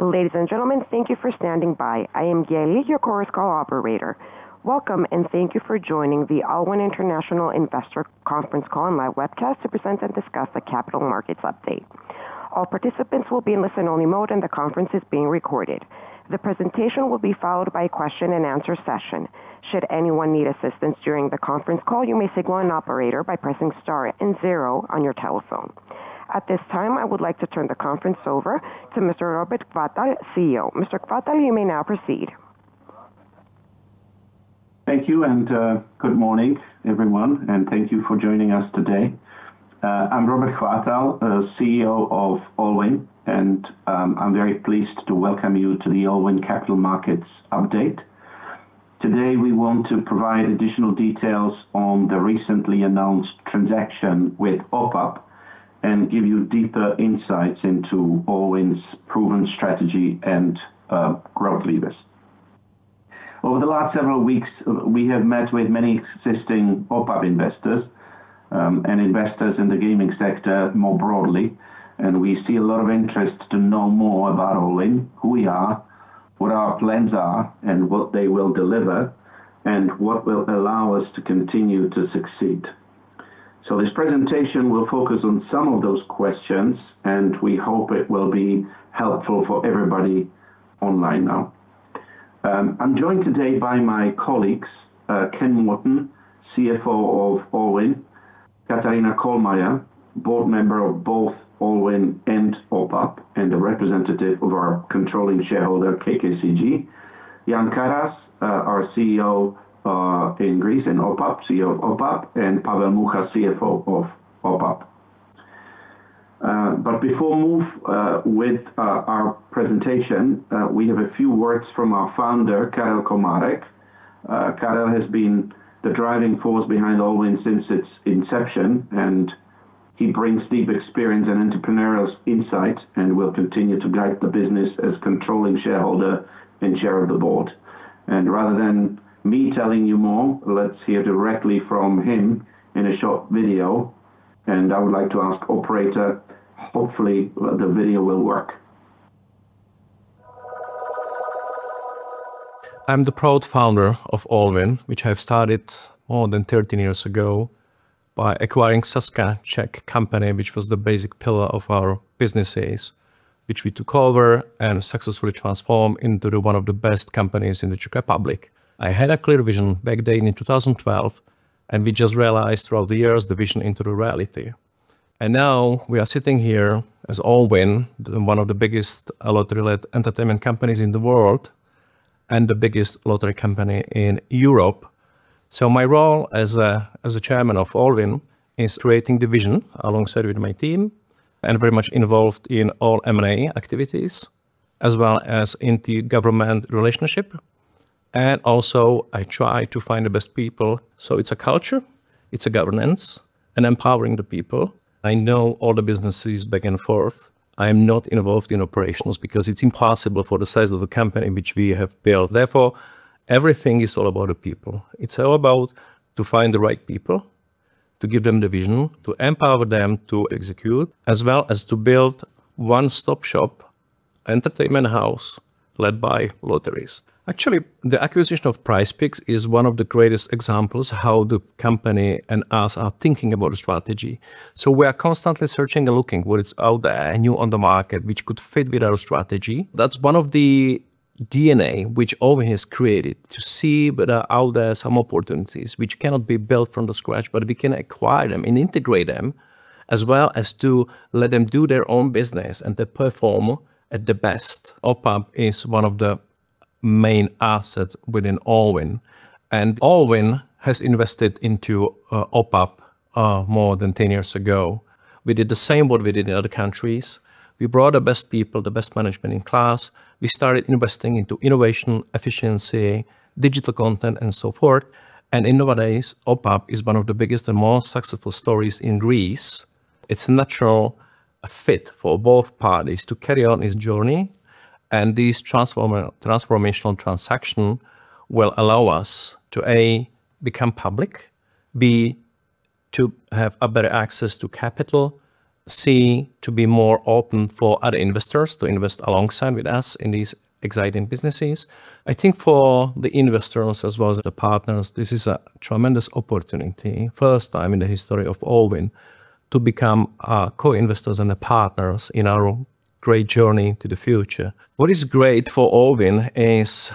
Ladies and gentlemen, thank you for standing by. I am Gianlia, your Chorus Call operator. Welcome, and thank you for Allwyn investor Conference call and live webcast to present and discuss the capital markets update. All participants will be in listen-only mode, and the conference is being recorded. The presentation will be followed by a question-and-answer session. Should anyone need assistance during the conference call, you may signal an operator by pressing star and zero on your telephone. At this time, I would like to turn the conference over to Mr. Robert Chvátal, CEO. Mr. Chvátal, you may now proceed. Thank you, and good morning, everyone, and thank you for joining us today. I'm Jan Karas, of Allwyn, and I'm very pleased to welcome the Allwyn capital Markets Update. Today, we want to provide additional details on the recently announced transaction with OPAP and give you into Allwyn's proven strategy and growth levers. Over the last several weeks, we have met with many existing OPAP investors and investors in the gaming sector more broadly, and we see a lot of interest to about Allwyn, who we are, what our plans are, and what they will deliver, and what will allow us to continue to succeed. This presentation will focus on some of those questions, and we hope it will be helpful for everybody online now. I'm joined today by my colleagues, Ken Morton, CFO of Allwyn, Kathleen Colemire, Board member of both Allwyn and OPAP, and a representative of our controlling shareholder, KKCG, Jan Karas, our CEO in Greece and OPAP, CEO of OPAP, and Pavel Mucha, CFO of OPAP. Before we move with our presentation, we have a few words from our founder, Karel Komárek. Karel has been the driving force behind Allwyn since its inception, and he brings deep experience and entrepreneurial insights and will continue to guide the business as controlling shareholder and chair of the Board. Rather than me telling you more, let's hear directly from him in a short video, and I would like to ask the operator, hopefully, the video will work. I'm the proud founder of Allwyn, which I started more than 13 years ago by acquiring Sazka, a Czech company, which was the basic pillar of our businesses, which we took over and successfully transformed into one of the best companies in the Czech Republic. I had a clear vision back then in 2012, and we just realized throughout the years the vision into reality. Now we are sitting here as Allwyn, one of the biggest lottery-related entertainment companies in the world and the biggest lottery company in Europe. My role as Chairman of Allwyn is creating the vision alongside my team and very much involved in all M&A activities, as well as in the government relationship. I also try to find the best people. It is a culture, it is a governance, and empowering the people. I know all the businesses back and forth. I am not involved in operations because it's impossible for the size of the company which we have built. Therefore, everything is all about the people. It's all about finding the right people, giving them the vision, empowering them to execute, as well as building a one-stop shop entertainment house led by lotteries. Actually, the acquisition of PrizePicks is one of the greatest examples of how the company and us are thinking about the strategy. We are constantly searching and looking for what is out there, new on the market, which could fit with our strategy. That's one of the DNAs which OPAP has created to see whether out there are some opportunities which cannot be built from scratch, but we can acquire them and integrate them, as well as let them do their own business and perform at their best. OPAP is one of the main assets within OPAP, and OPAP has invested in OPAP more than 10 years ago. We did the same as we did in other countries. We brought the best people, the best management in class. We started investing in innovation, efficiency, digital content, and so forth. Innovative OPAP is one of the biggest and most successful stories in Greece. It's a natural fit for both parties to carry on this journey, and this transformational transaction will allow us to, A, become public, B, to have better access to capital, C, to be more open for other investors to invest alongside with us in these exciting businesses. I think for the investors, as well as the partners, this is a tremendous opportunity, the first time in the history of OPAP, to become co-investors and partners in our great journey to the future. What is great for OPAP is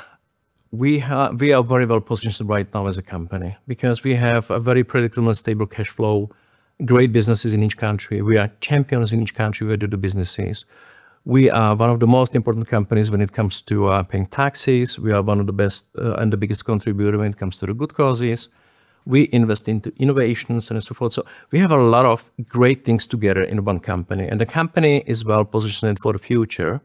we are very well positioned right now as a company because we have a very predictable and stable cash flow, great businesses in each country. We are champions in each country where we do the businesses. We are one of the most important companies when it comes to paying taxes. We are one of the best and the biggest contributors when it comes to the good causes. We invest in innovations and so forth. We have a lot of great things together in one company, and the company is well positioned for the future.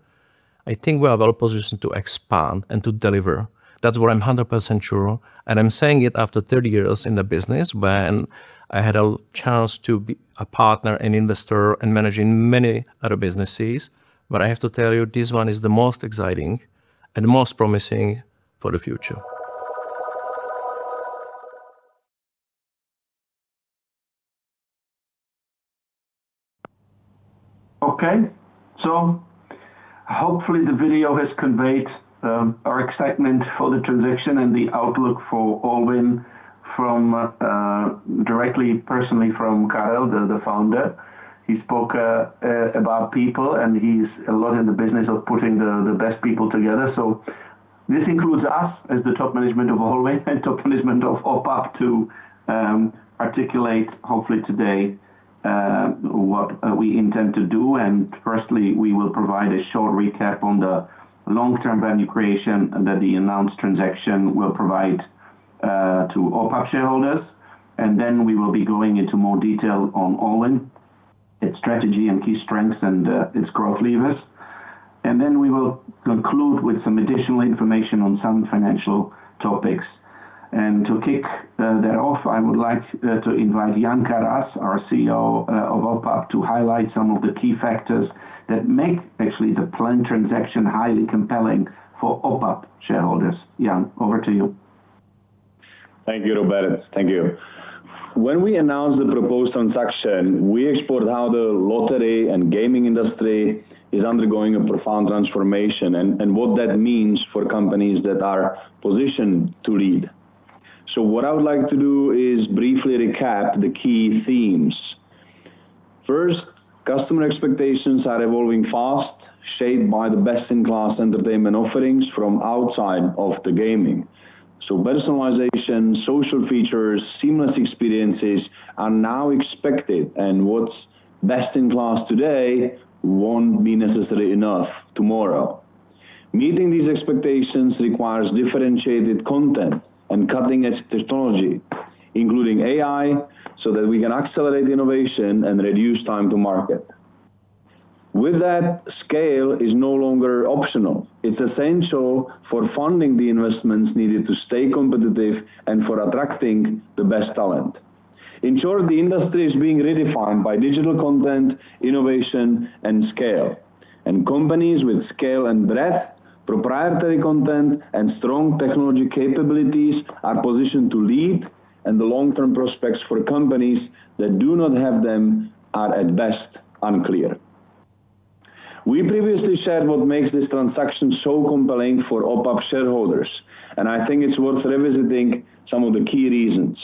I think we are well positioned to expand and to deliver. That is what I'm 100% sure. I'm saying it after 30 years in the business when I had a chance to be a partner, an investor, and manage many other businesses. I have to tell you, this one is the most exciting and the most promising for the future. Okay. Hopefully, the video has conveyed our excitement for the transaction and the outlook for Allwyn directly personally from Karel, the founder. He spoke about people, and he is a lot in the business of putting the best people together. This includes us as the top management of Allwyn and top management of OPAP to articulate, hopefully, today what we intend to do. Firstly, we will provide a short recap on the long-term value creation that the announced transaction will provide to OPAP shareholders. We will be going into more detail on Allwyn, its strategy and key strengths and its growth levers. We will conclude with some additional information on some financial topics. To kick that off, I would like to invite Jan Karas, our CEO of OPAP, to highlight some of the key factors that make actually the planned transaction highly compelling for OPAP shareholders. Jan, over to you. Thank you, Robert. Thank you. When we announced the proposed transaction, we explored how the lottery and gaming industry is undergoing a profound transformation and what that means for companies that are positioned to lead. What I would like to do is briefly recap the key themes. First, customer expectations are evolving fast, shaped by the best-in-class entertainment offerings from outside of the gaming. Personalization, social features, seamless experiences are now expected, and what's best-in-class today won't be necessarily enough tomorrow. Meeting these expectations requires differentiated content and cutting-edge technology, including AI, so that we can accelerate innovation and reduce time to market. With that, scale is no longer optional. It's essential for funding the investments needed to stay competitive and for attracting the best talent. In short, the industry is being redefined by digital content, innovation, and scale. Companies with scale and breadth, proprietary content, and strong technology capabilities are positioned to lead, and the long-term prospects for companies that do not have them are at best unclear. We previously shared what makes this transaction so compelling for OPAP shareholders, and I think it's worth revisiting some of the key reasons.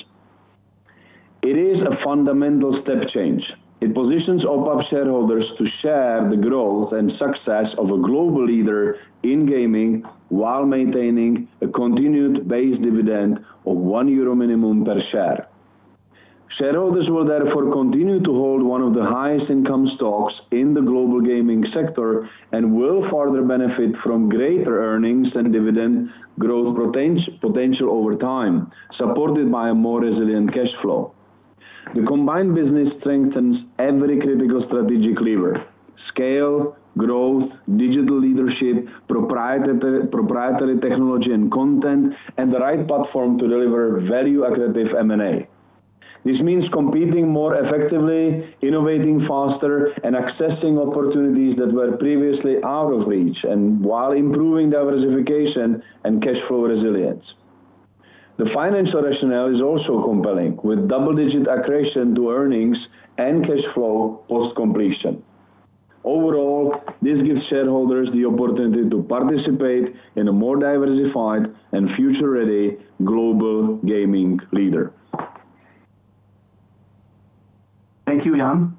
It is a fundamental step change. It positions OPAP shareholders to share the growth and success of a global leader in gaming while maintaining a continued base dividend of 1 euro minimum per share. Shareholders will therefore continue to hold one of the highest-income stocks in the global gaming sector and will further benefit from greater earnings and dividend growth potential over time, supported by a more resilient cash flow. The combined business strengthens every critical strategic lever: scale, growth, digital leadership, proprietary technology and content, and the right platform to deliver value-aggressive M&A. This means competing more effectively, innovating faster, and accessing opportunities that were previously out of reach, while improving diversification and cash flow resilience. The financial rationale is also compelling, with double-digit accretion to earnings and cash flow post-completion. Overall, this gives shareholders the opportunity to participate in a more diversified and future-ready global gaming leader. Thank you, Jan.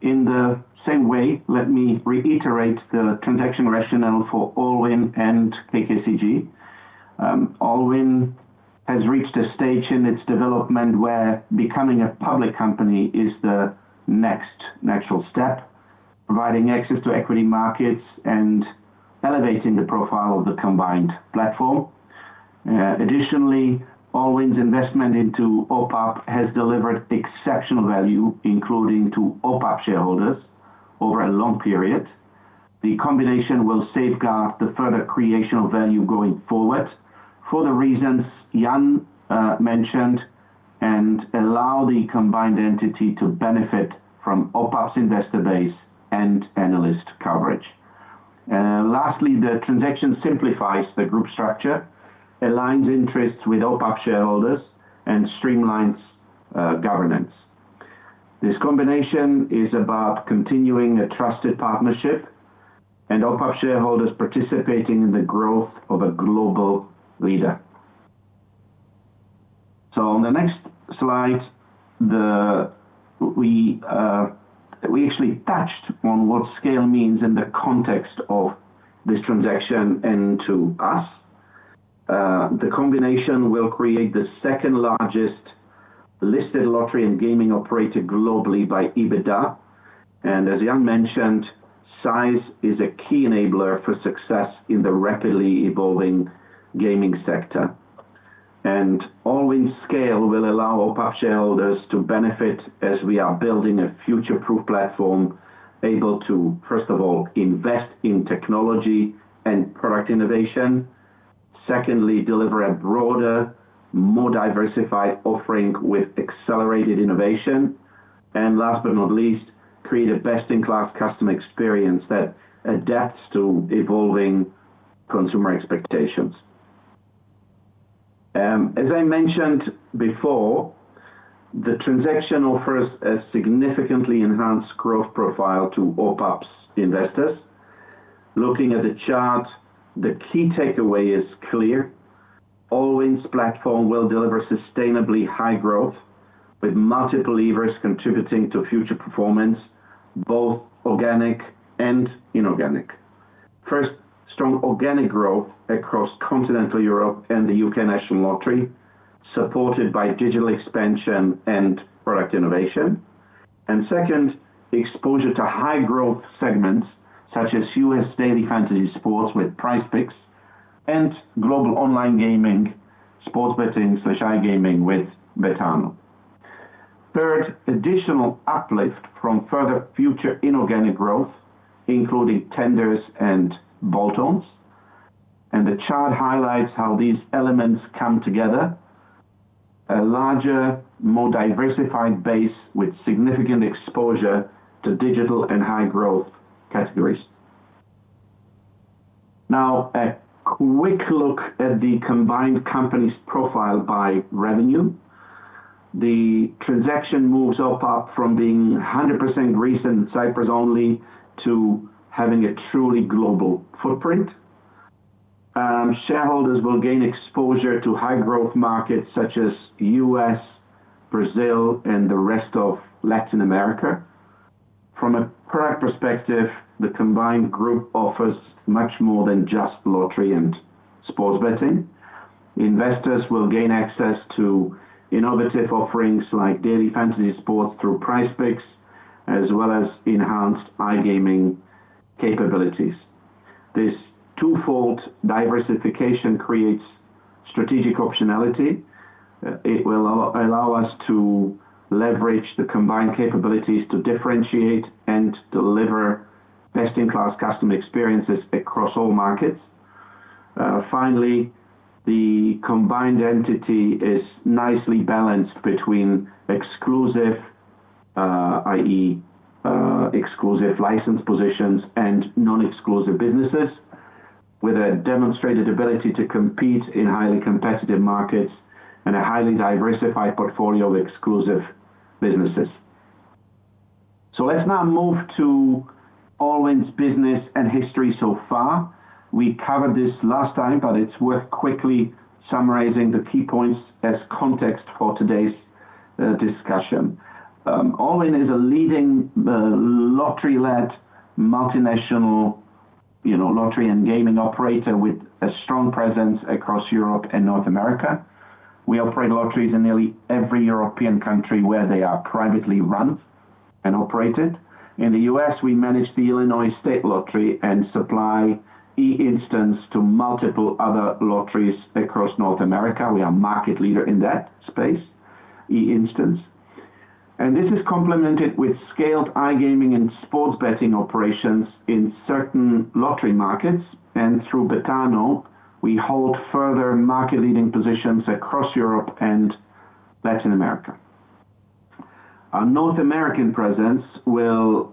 In the same way, let me reiterate the transaction rationale for Allwyn and KKCG. Allwyn has reached a stage in its development where becoming a public company is the next natural step, providing access to equity markets and elevating the profile of the combined platform. Additionally, Allwyn's investment into OPAP has delivered exceptional value, including to OPAP shareholders over a long period. The combination will safeguard the further creation of value going forward for the reasons Jan mentioned and allow the combined entity to benefit from OPAP's investor base and analyst coverage. Lastly, the transaction simplifies the group structure, aligns interests with OPAP shareholders, and streamlines governance. This combination is about continuing a trusted partnership and OPAP shareholders participating in the growth of a global leader. On the next slide, we actually touched on what scale means in the context of this transaction and to us. The combination will create the second-largest listed lottery and gaming operator globally by EBITDA. As Jan mentioned, size is a key enabler for success in the rapidly evolving Allwyn's scale will allow OPAP shareholders to benefit as we are building a future-proof platform able to, first of all, invest in technology and product innovation. Secondly, deliver a broader, more diversified offering with accelerated innovation. Last but not least, create a best-in-class customer experience that adapts to evolving consumer expectations. As I mentioned before, the transaction offers a significantly enhanced growth profile to OPAP's investors. Looking at the chart, the key clear. Allwyn's platform will deliver sustainably high growth with multiple levers contributing to future performance, both organic and inorganic. First, strong organic growth across continental Europe and the U.K. National Lottery, supported by digital expansion and product innovation. Second, exposure to high-growth segments such as U.S. daily fantasy sports with PrizePicks and global online gaming, sports betting/iGaming with Betano. Third, additional uplift from further future inorganic growth, including tenders and bolt-ons. The chart highlights how these elements come together: a larger, more diversified base with significant exposure to digital and high-growth categories. Now, a quick look at the combined company's profile by revenue. The transaction moves OPAP from being 100% recent Cyprus only to having a truly global footprint. Shareholders will gain exposure to high-growth markets such as the U.S., Brazil, and the rest of Latin America. From a product perspective, the combined group offers much more than just lottery and sports betting. Investors will gain access to innovative offerings like daily fantasy sports through PrizePicks, as well as enhanced iGaming capabilities. This twofold diversification creates strategic optionality. It will allow us to leverage the combined capabilities to differentiate and deliver best-in-class customer experiences across all markets. Finally, the combined entity is nicely balanced between exclusive, i.e., exclusive license positions and non-exclusive businesses, with a demonstrated ability to compete in highly competitive markets and a highly diversified portfolio of exclusive businesses. Let's now move to Allwyn's business and history so far. We covered this last time, but it's worth quickly summarizing the key points as context discussion. Allwyn is a leading lottery-led multinational lottery and gaming operator with a strong presence across Europe and North America. We operate lotteries in nearly every European country where they are privately run and operated. In the U.S., we manage the Illinois State Lottery and supply e-instants to multiple other lotteries across North America. We are a market leader in that space, e-instants. This is complemented with scaled iGaming and sports betting operations in certain lottery markets. Through Betano, we hold further market-leading positions across Europe and Latin America. Our North American presence will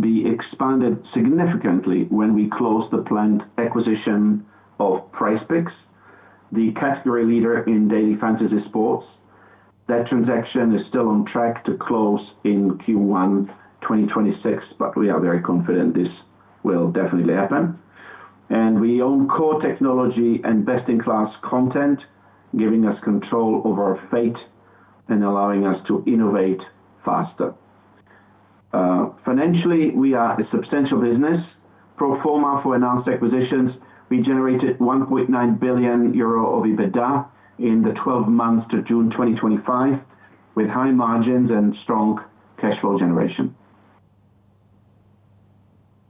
be expanded significantly when we close the planned acquisition of PrizePicks, the category leader in daily fantasy sports. That transaction is still on track to close in Q1 2026, but we are very confident this will definitely happen. We own core technology and best-in-class content, giving us control over our fate and allowing us to innovate faster. Financially, we are a substantial business. Pro forma for announced acquisitions, we generated 1.9 billion euro of EBITDA in the 12 months to June 2025, with high margins and strong cash flow generation.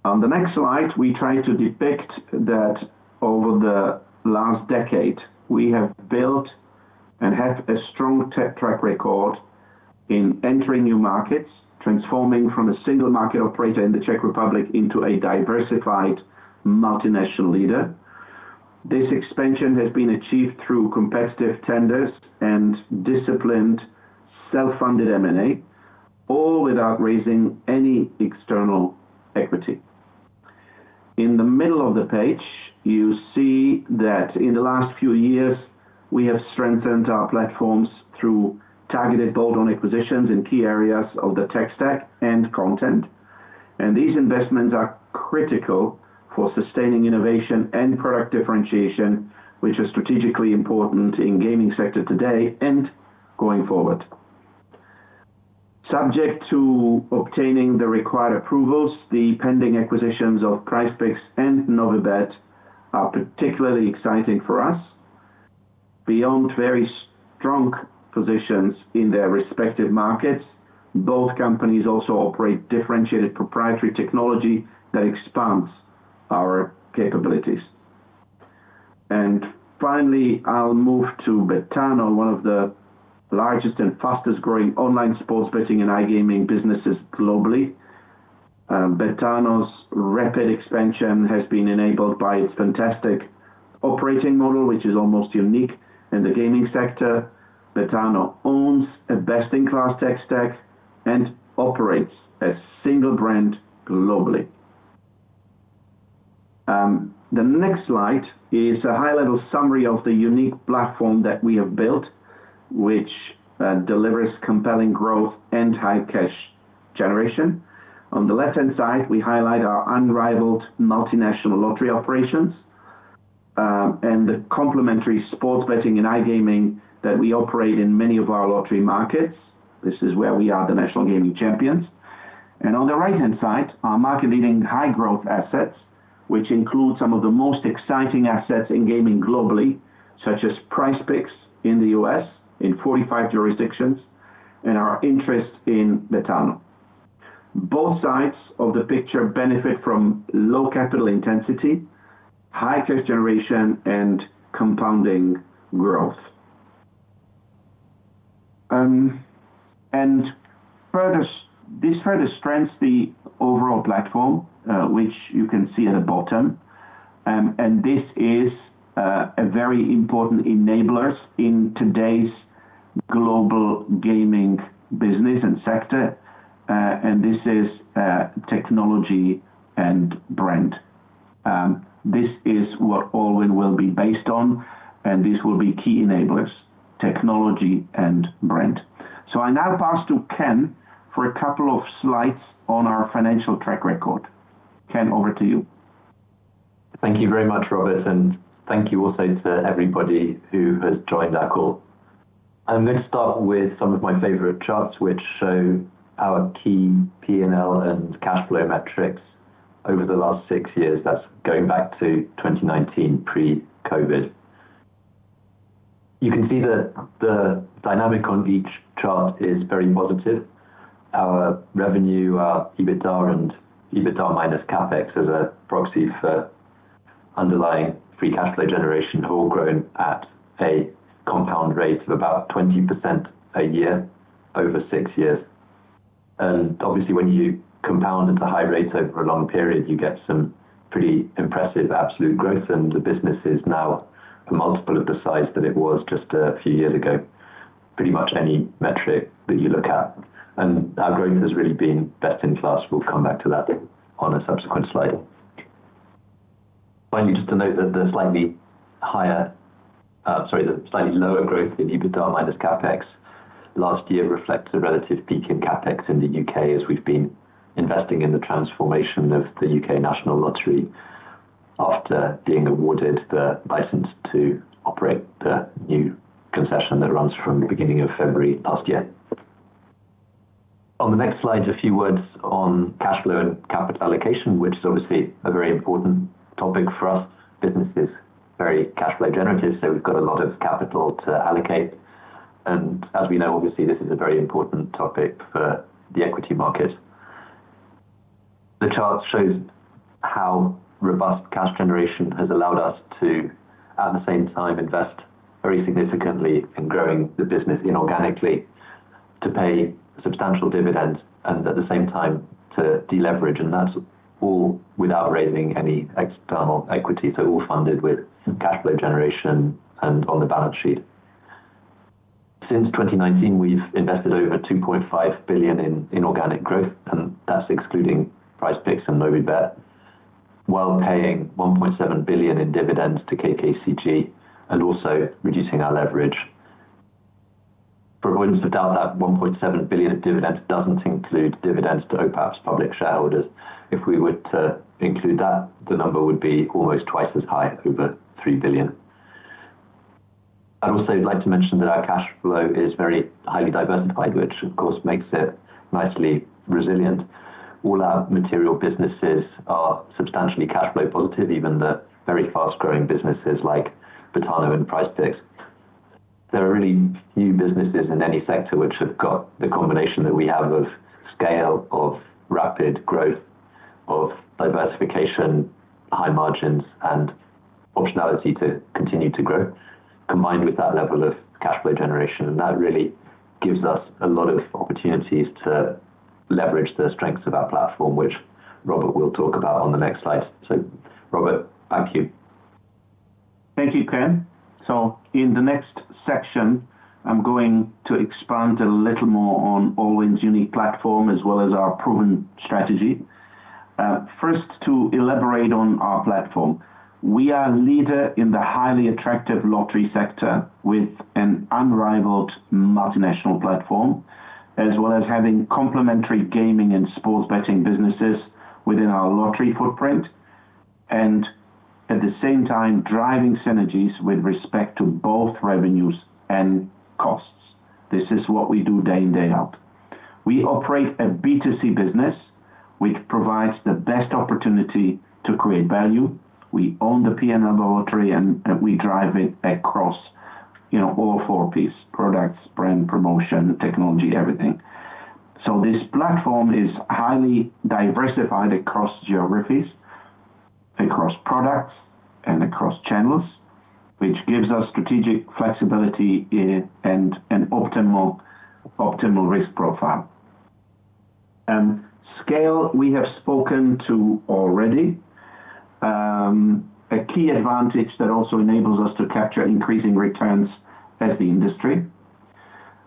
On the next slide, we try to depict that over the last decade, we have built and have a strong track record in entering new markets, transforming from a single market operator in the Czech Republic into a diversified multinational leader. This expansion has been achieved through competitive tenders and disciplined self-funded M&A, all without raising any external equity. In the middle of the page, you see that in the last few years, we have strengthened our platforms through targeted bolt-on acquisitions in key areas of the tech stack and content. These investments are critical for sustaining innovation and product differentiation, which are strategically important in the gaming sector today and going forward. Subject to obtaining the required approvals, the pending acquisitions of PrizePicks and Novibet are particularly exciting for us. Beyond very strong positions in their respective markets, both companies also operate differentiated proprietary technology that expands our capabilities. Finally, I'll move to Betano, one of the largest and fastest-growing online sports betting and iGaming businesses globally. Betano's rapid expansion has been enabled by its fantastic operating model, which is almost unique in the gaming sector. Betano owns a best-in-class tech stack and operates as a single brand globally. The next slide is a high-level summary of the unique platform that we have built, which delivers compelling growth and high cash generation. On the left-hand side, we highlight our unrivaled multinational lottery operations and the complementary sports betting and iGaming that we operate in many of our lottery markets. This is where we are the national gaming champions. On the right-hand side, our market-leading high-growth assets, which include some of the most exciting assets in gaming globally, such as PrizePicks in the U.S. in 45 jurisdictions and our interest in Betano. Both sides of the picture benefit from low capital intensity, high cash generation, and compounding growth. This further strengthens the overall platform, which you can see at the bottom. This is a very important enabler in today's global gaming business and sector. This is technology and brand. This is what Allwyn will be based on, and these will be key enablers: technology and brand. I now pass to Ken for a couple of slides on our financial track record. Ken, over to you. Thank you very much, Robert, and thank you also to everybody who has joined our call. I'm going to start with some of my favorite charts, which show our key P&L and cash flow metrics over the last six years. That is going back to 2019, pre-COVID. You can see that the dynamic on each chart is very positive. Our revenue, our EBITDA and EBITDA minus CapEx as a proxy for underlying free cash flow generation have all grown at a compound rate of about 20% a year over six years. Obviously, when you compound at a high rate over a long period, you get some pretty impressive absolute growth, and the business is now a multiple of the size that it was just a few years ago, pretty much any metric that you look at. Our growth has really been best-in-class. We'll come back to that on a subsequent slide. Finally, just to note that the slightly higher, sorry, the slightly lower growth in EBITDA minus CapEx last year reflects a relative peak in CapEx in the U.K., as we've been investing in the transformation of the U.K. National Lottery after being awarded the license to operate the new concession that runs from the beginning of February last year. On the next slide, a few words on cash flow and capital allocation, which is obviously a very important topic for us. Business is very cash flow generative, so we've got a lot of capital to allocate. As we know, obviously, this is a very important topic for the equity market. The chart shows how robust cash generation has allowed us to, at the same time, invest very significantly in growing the business inorganically to pay substantial dividends and, at the same time, to deleverage. That is all without raising any external equity, so all funded with cash flow generation and on the balance sheet. Since 2019, we have invested over 2.5 billion in inorganic growth, and that is excluding PrizePicks and Novibet, while paying 1.7 billion in dividends to KKCG and also reducing our leverage. For avoidance of doubt, that 1.7 billion of dividends does not include dividends to OPAP's public shareholders. If we were to include that, the number would be almost twice as high, over 3 billion. I would also like to mention that our cash flow is very highly diversified, which, of course, makes it nicely resilient. All our material businesses are substantially cash flow positive, even the very fast-growing businesses like Betano and PrizePicks. There are really few businesses in any sector which have got the combination that we have of scale, of rapid growth, of diversification, high margins, and optionality to continue to grow, combined with that level of cash flow generation. That really gives us a lot of opportunities to leverage the strengths of our platform, which Robert will talk about on the next slide. Robert, back to you. Thank you, Ken. In the next section, I'm going to expand a on Allwyn's unique platform as well as our proven strategy. First, to elaborate on our platform, we are a leader in the highly attractive lottery sector with an unrivaled multinational platform, as well as having complementary gaming and sports betting businesses within our lottery footprint, and at the same time, driving synergies with respect to both revenues and costs. This is what we do day in, day out. We operate a B2C business, which provides the best opportunity to create value. We own the P&L of the lottery, and we drive it across all four P's: products, brand, promotion, technology, everything. This platform is highly diversified across geographies, across products, and across channels, which gives us strategic flexibility and an optimal risk profile. Scale, we have spoken to already. A key advantage that also enables us to capture increasing returns as the industry.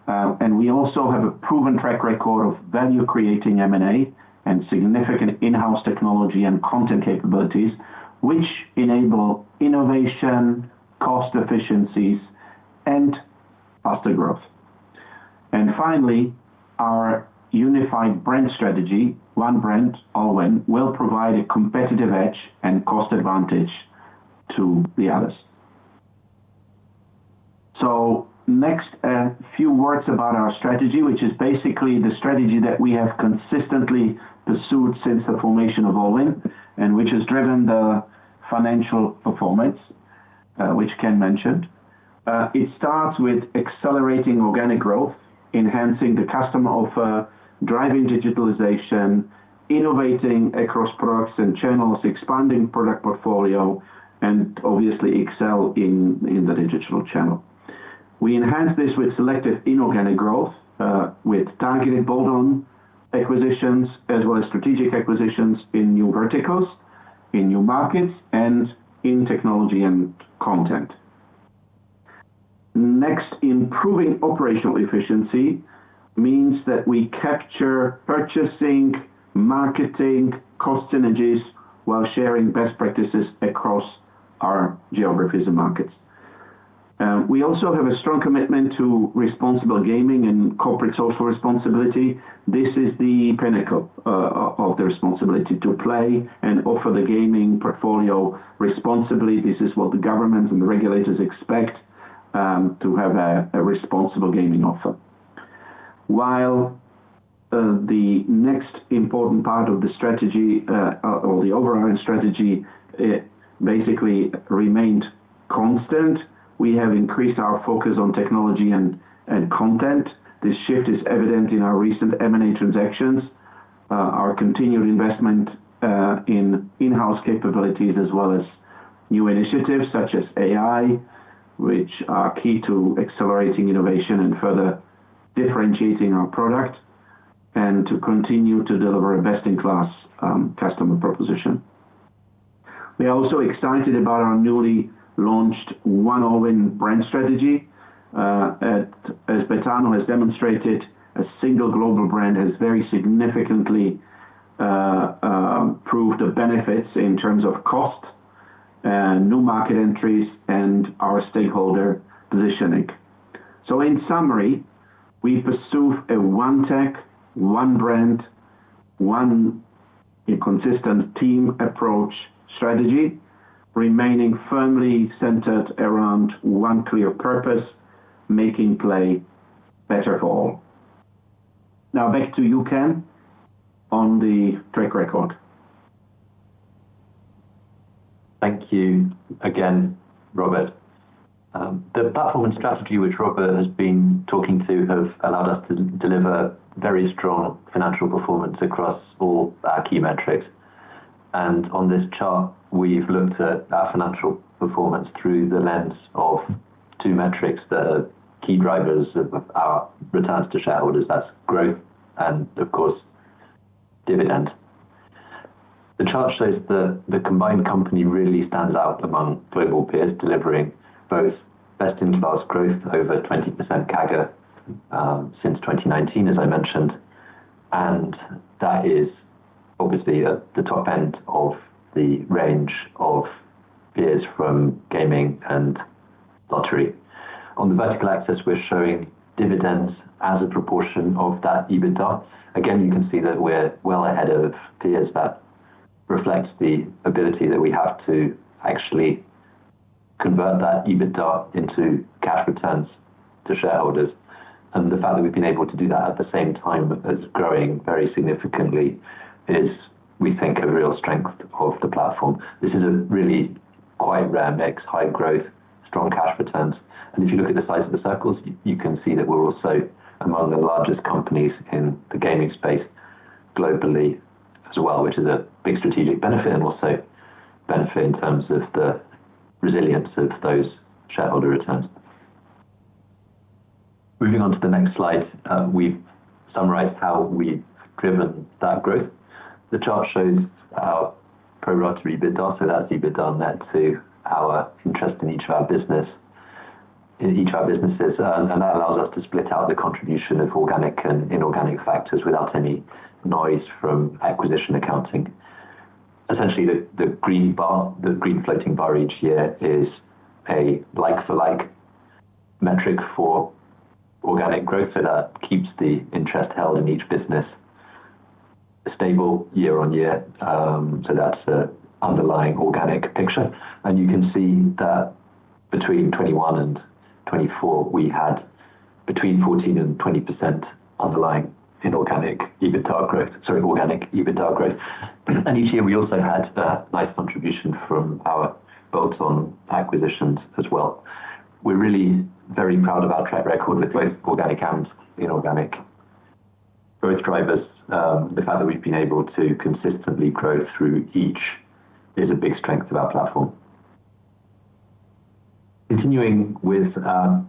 We also have a proven track record of value-creating M&A and significant in-house technology and content capabilities, which enable innovation, cost efficiencies, and faster growth. Finally, our unified brand strategy, one brand, Allwyn, will provide a competitive edge and cost advantage to the others. Next, a few words about our strategy, which is basically the strategy that we have consistently pursued since the formation of Allwyn, and which has driven the financial performance, which Ken mentioned. It starts with accelerating organic growth, enhancing the customer offer, driving digitalization, innovating across products and channels, expanding product portfolio, and obviously excel in the digital channel. We enhance this with selective inorganic growth, with targeted bolt-on acquisitions, as well as strategic acquisitions in new verticals, in new markets, and in technology and content. Next, improving operational efficiency means that we capture purchasing, marketing, cost synergies while sharing best practices across our geographies and markets. We also have a strong commitment to responsible gaming and corporate social responsibility. This is the pinnacle of the responsibility to play and offer the gaming portfolio responsibly. This is what the governments and the regulators expect to have a responsible gaming offer. While the next important part of the strategy, or the overarching strategy, basically remained constant, we have increased our focus on technology and content. This shift is evident in our recent M&A transactions, our continued investment in in-house capabilities, as well as new initiatives such as AI, which are key to accelerating innovation and further differentiating our product, and to continue to deliver a best-in-class customer proposition. We are also excited about our newly launched One Allwyn brand strategy, as Betano has demonstrated a single global brand has very significantly proved the benefits in terms of cost, new market entries, and our stakeholder positioning. In summary, we pursue a one tech, one brand, one consistent team approach strategy, remaining firmly centered around one clear purpose, making play better for all. Now back to you, Ken, on the track record. Thank you again, Robert. The platform and strategy which Robert has been talking to have allowed us to deliver very strong financial performance across all our key metrics. On this chart, we have looked at our financial performance through the lens of two metrics that are key drivers of our returns to shareholders. That is growth and, of course, dividends. The chart shows that the combined company really stands out among global peers, delivering both best-in-class growth, over 20% CAGR since 2019, as I mentioned, and that is obviously at the top end of the range of peers from gaming and lottery. On the vertical axis, we are showing dividends as a proportion of that EBITDA. Again, you can see that we are well ahead of peers. That reflects the ability that we have to actually convert that EBITDA into cash returns to shareholders. The fact that we've been able to do that at the same time as growing very significantly is, we think, a real strength of the platform. This is a really quite rare mix, high growth, strong cash returns. If you look at the size of the circles, you can see that we're also among the largest companies in the gaming space globally as well, which is a big strategic benefit and also benefit in terms of the resilience of those shareholder returns. Moving on to the next slide, we summarize how we've driven that growth. The chart shows our pro-rata EBITDA. So that's EBITDA net to our interest in each of our businesses, and that allows us to split out the contribution of organic and inorganic factors without any noise from acquisition accounting. Essentially, the green floating bar each year is a like-for-like metric for organic growth. That keeps the interest held in each business stable year-on-year. That is the underlying organic picture. You can see that between 2021 and 2024, we had between 14% and 20% underlying organic EBITDA growth. Each year, we also had that nice contribution from our bolt-on acquisitions as well. We are really very proud of our track record with both organic and inorganic growth drivers. The fact that we have been able to consistently grow through each is a big strength of our platform. Continuing with our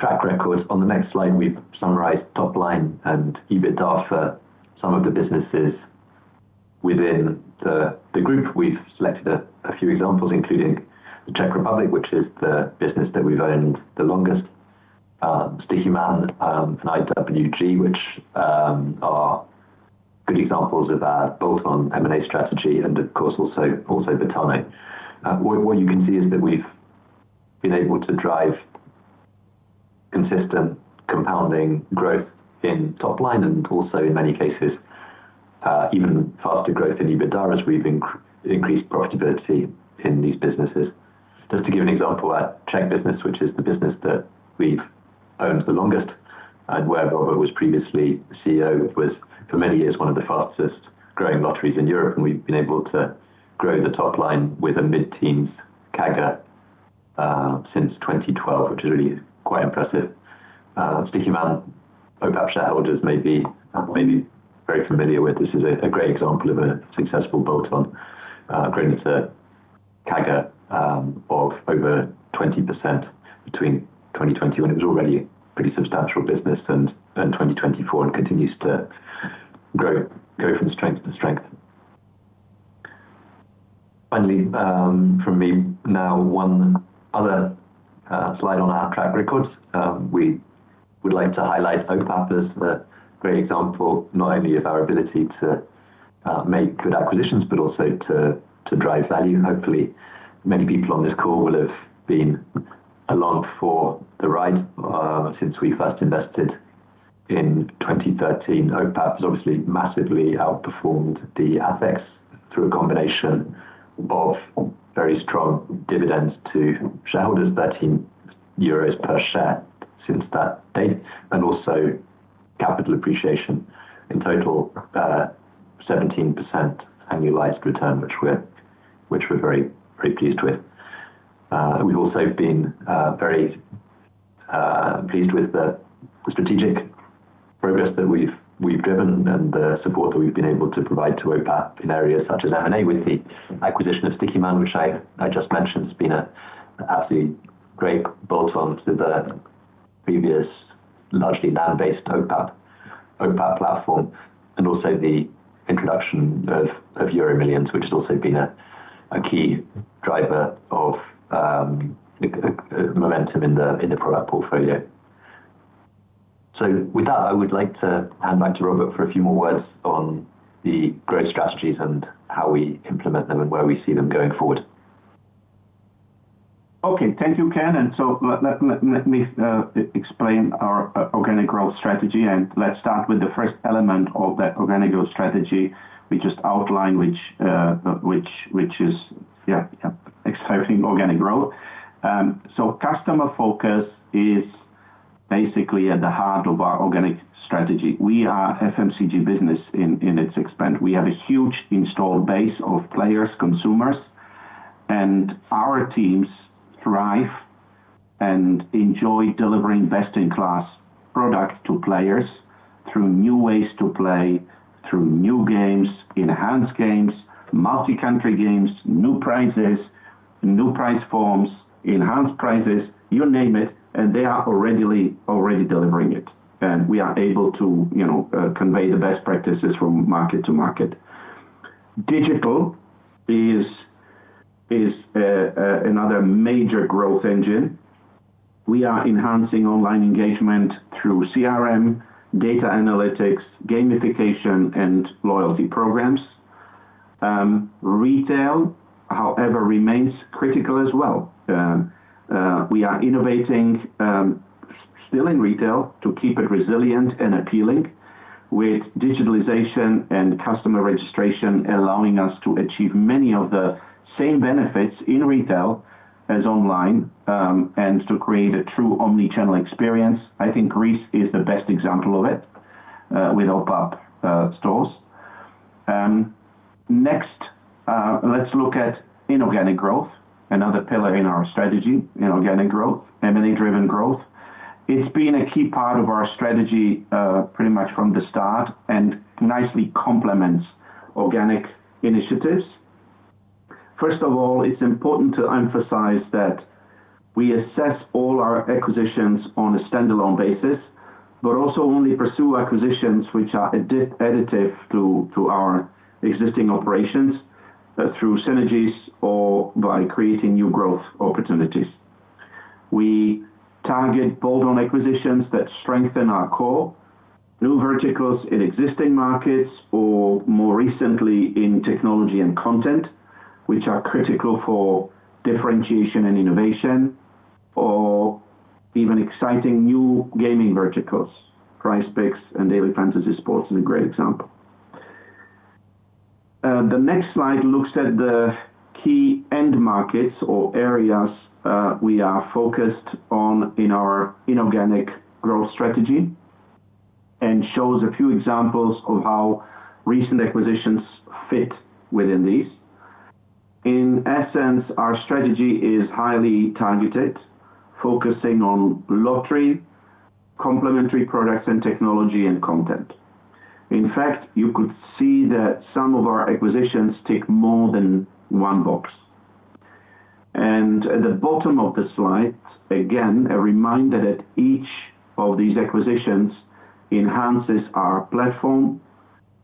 track record, on the next slide, we have summarized top line and EBITDA for some of the businesses within the group. We have selected a few examples, including the Czech Republic, which is the business that we have owned the longest, IWG, which is a good example of our bolt-on M&A strategy, and of course, also Betano. What you can see is that we've been able to drive consistent compounding growth in top line, and also in many cases, even faster growth in EBITDA as we've increased profitability in these businesses. Just to give an example, our Czech business, which is the business that we've owned the longest, and where Robert was previously CEO, was for many years one of the fastest growing lotteries in Europe. We've been able to grow the top line with a mid-teens CAGR since 2012, which is really quite impressive. Stoiximan, OPAP shareholders may be very familiar with. This is a great example of a successful bolt-on growing to CAGR of over 20% between 2020, when it was already a pretty substantial business, and 2024 continues to grow from strength to strength. Finally, from me now, one other slide on our track records. We would like to highlight OPAP as a great example, not only of our ability to make good acquisitions, but also to drive value. Hopefully, many people on this call will have been along for the ride since we first invested in 2013. OPAP has obviously massively outperformed the ASX through a combination of very strong dividends to shareholders, 13 euros per share since that date, and also capital appreciation in total, 17% annualized return, which we're very, very pleased with. We've also been very pleased with the strategic progress that we've driven and the support that we've been able to provide to OPAP in areas such as M&A with the acquisition of Stoiximan, which I just mentioned has been an absolutely great bolt-on to the previous largely land-based OPAP platform, and also the introduction of EuroMillions, which has also been a key driver of momentum in the product portfolio. With that, I would like to hand back to Robert for a few more words on the growth strategies and how we implement them and where we see them going forward. Okay, thank you, Ken. Let me explain our organic growth strategy. Let's start with the first element of that organic growth strategy we just outlined, which is, yeah, exciting organic growth. Customer focus is basically at the heart of our organic strategy. We are an FMCG business in its expansion. We have a huge installed base of players, consumers, and our teams thrive and enjoy delivering best-in-class products to players through new ways to play, through new games, enhanced games, multi-country games, new prizes, new prize forms, enhanced prizes, you name it, and they are already delivering it. We are able to convey the best practices from market to market. Digital is another major growth engine. We are enhancing online engagement through CRM, data analytics, gamification, and loyalty programs. Retail, however, remains critical as well. We are innovating still in retail to keep it resilient and appealing with digitalization and customer registration, allowing us to achieve many of the same benefits in retail as online and to create a true omnichannel experience. I think Greece is the best example of it with OPAP stores. Next, let's look at inorganic growth, another pillar in our strategy, inorganic growth, M&A-driven growth. It's been a key part of our strategy pretty much from the start and nicely complements organic initiatives. First of all, it's important to emphasize that we assess all our acquisitions on a standalone basis, but also only pursue acquisitions which are additive to our existing operations through synergies or by creating new growth opportunities. We target bolt-on acquisitions that strengthen our core, new verticals in existing markets, or more recently in technology and content, which are critical for differentiation and innovation, or even exciting new gaming verticals. PrizePicks and Daily Fantasy Sports is a great example. The next slide looks at the key end markets or areas we are focused on in our inorganic growth strategy and shows a few examples of how recent acquisitions fit within these. In essence, our strategy is highly targeted, focusing on lottery, complementary products, and technology and content. In fact, you could see that some of our acquisitions tick more than one box. At the bottom of the slide, again, a reminder that each of these acquisitions enhances our platform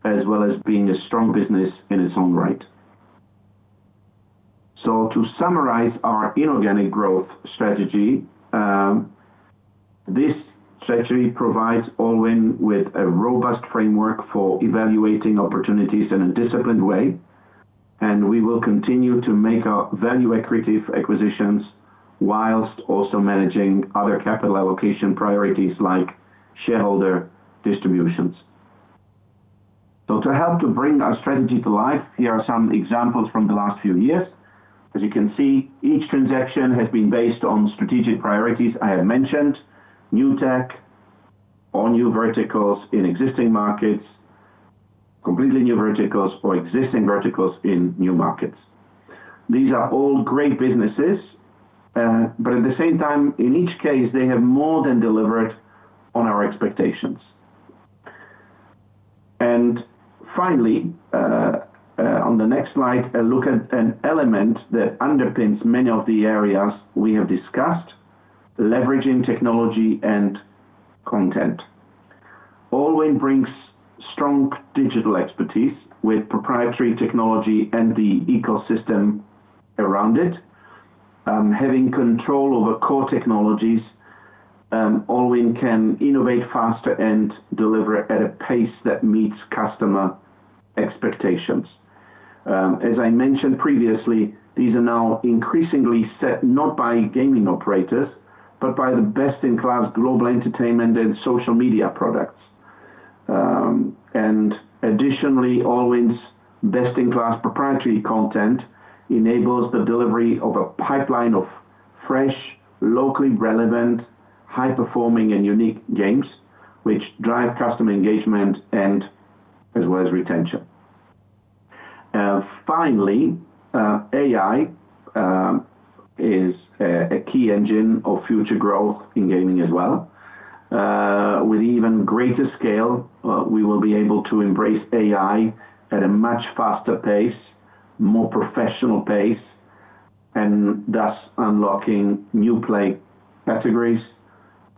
as well as being a strong business in its own right. To summarize our inorganic growth strategy, this strategy provides all with a robust framework for evaluating opportunities in a disciplined way. We will continue to make value-accretive acquisitions whilst also managing other capital allocation priorities like shareholder distributions. To help to bring our strategy to life, here are some examples from the last few years. As you can see, each transaction has been based on strategic priorities I have mentioned, new tech, all new verticals in existing markets, completely new verticals or existing verticals in new markets. These are all great businesses, but at the same time, in each case, they have more than delivered on our expectations. Finally, on the next slide, a look at an element that underpins many of the areas we have discussed, leveraging content. Allwyn brings strong digital expertise with proprietary technology and the ecosystem around it. Having control over core technologies, OPAP can innovate faster and deliver at a pace that meets customer expectations. As I mentioned previously, these are now increasingly set not by gaming operators, but by the best-in-class global entertainment and social media products. Additionally, OPAP's best-in-class proprietary content enables the delivery of a pipeline of fresh, locally relevant, high-performing, and unique games, which drive customer engagement as well as retention. Finally, AI is a key engine of future growth in gaming as well. With even greater scale, we will be able to embrace AI at a much faster pace, more professional pace, and thus unlocking new play categories,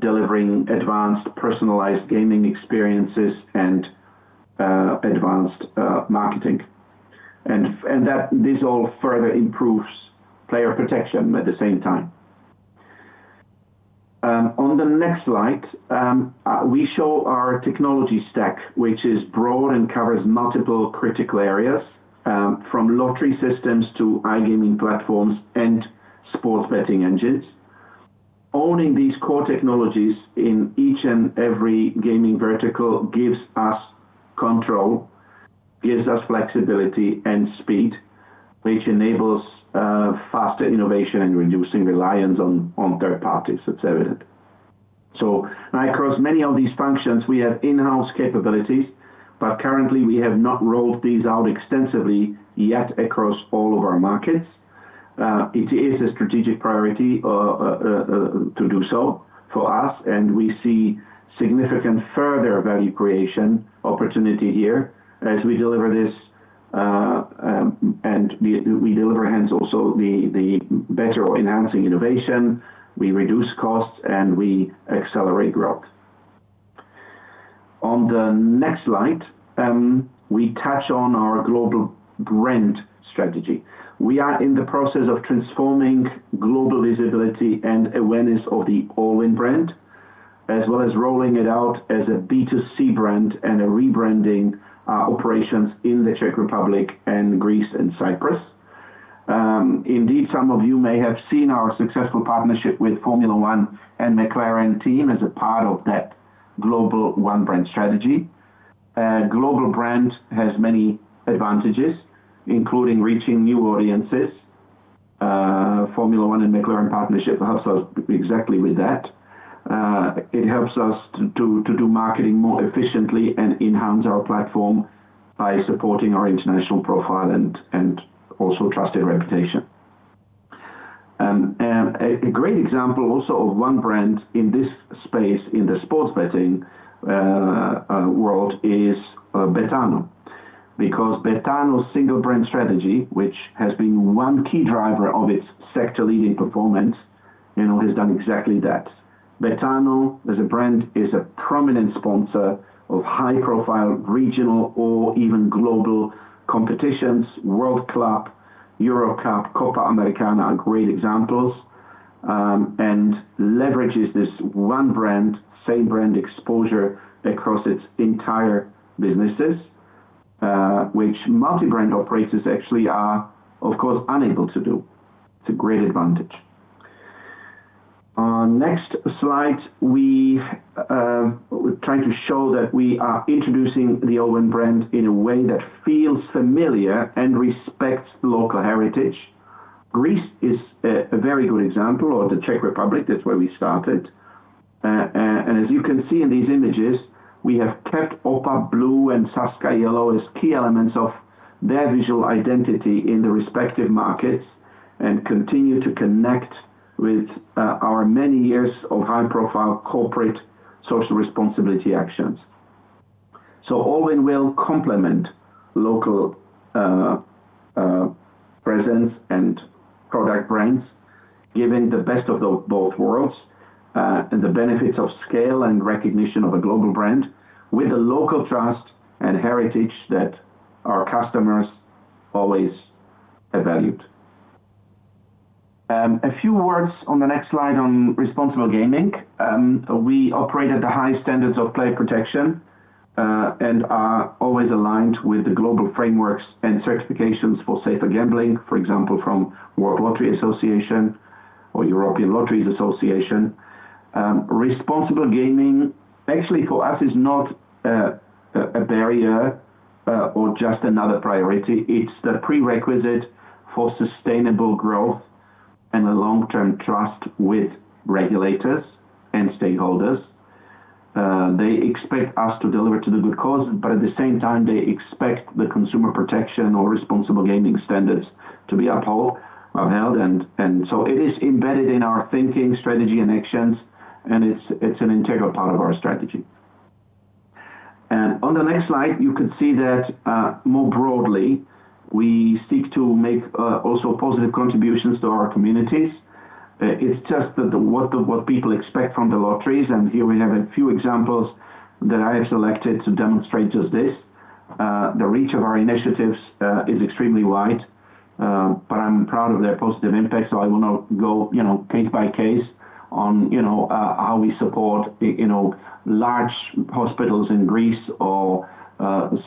delivering advanced personalized gaming experiences and advanced marketing. This all further improves player protection at the same time. On the next slide, we show our technology stack, which is broad and covers multiple critical areas from lottery systems to iGaming platforms and sports betting engines. Owning these core technologies in each and every gaming vertical gives us control, gives us flexibility and speed, which enables faster innovation and reducing reliance on third parties, it's evident. Across many of these functions, we have in-house capabilities, but currently, we have not rolled these out extensively yet across all of our markets. It is a strategic priority to do so for us, and we see significant further value creation opportunity here as we deliver this, and we deliver hence also the better or enhancing innovation. We reduce costs, and we accelerate growth. On the next slide, we touch on our global brand strategy. We are in the process of transforming global visibility and awareness of the Allwyn brand, as well as rolling it out as a B2C brand and rebranding our operations in the Czech Republic and Greece and Cyprus. Indeed, some of you may have seen our successful partnership with Formula One and McLaren team as a part of that global one-brand strategy. A global brand has many advantages, including reaching new audiences. Formula One and McLaren partnership helps us exactly with that. It helps us to do marketing more efficiently and enhance our platform by supporting our international profile and also trusted reputation. A great example also of one brand in this space in the sports betting world is Betano, because Betano's single-brand strategy, which has been one key driver of its sector-leading performance, has done exactly that. Betano, as a brand, is a prominent sponsor of high-profile regional or even global competitions: World Cup, Euro Cup, Copa Americana, great examples, and leverages this one brand, same brand exposure across its entire businesses, which multi-brand operators actually are, of course, unable to do. It's a great advantage. On the next slide, we try to show that we are introducing the Allwyn brand in a way that feels familiar and respects local heritage. Greece is a very good example, or the Czech Republic, that's where we started. As you can see in these images, we have kept OPAP blue and Sazka yellow as key elements of their visual identity in the respective markets and continue to connect with our many years of high-profile corporate social responsibility actions. Allwyn will complement local presence and product brands, giving the best of both worlds and the benefits of scale and recognition of a global brand with the local trust and heritage that our customers always have valued. A few words on the next slide on responsible gaming. We operate at the highest standards of play protection and are always aligned with the global frameworks and certifications for safer gambling, for example, from World Lottery Association or European Lotteries Association. Responsible gaming, actually, for us, is not a barrier or just another priority. It's the prerequisite for sustainable growth and a long-term trust with regulators and stakeholders. They expect us to deliver to the good cause, but at the same time, they expect the consumer protection or responsible gaming standards to be upheld. It is embedded in our thinking, strategy, and actions, and it's an integral part of our strategy. On the next slide, you could see that more broadly, we seek to make also positive contributions to our communities. It's just what people expect from the lotteries, and here we have a few examples that I have selected to demonstrate just this. The reach of our initiatives is extremely wide, but I'm proud of their positive impact, so I will not go case by case on how we support large hospitals in Greece or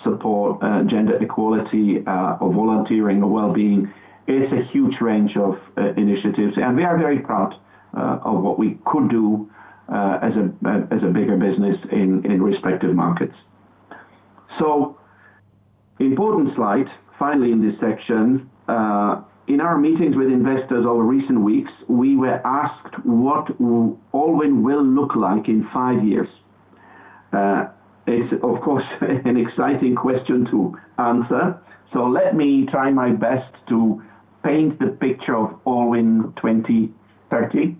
support gender equality or volunteering or well-being. It's a huge range of initiatives, and we are very proud of what we could do as a bigger business in respective markets. Important slide, finally, in this section. In our meetings with investors over recent weeks, we were asked what OPAP will look like in five years. It's, of course, an exciting question to answer. Let me try my best to paint the picture of OPAP 2030.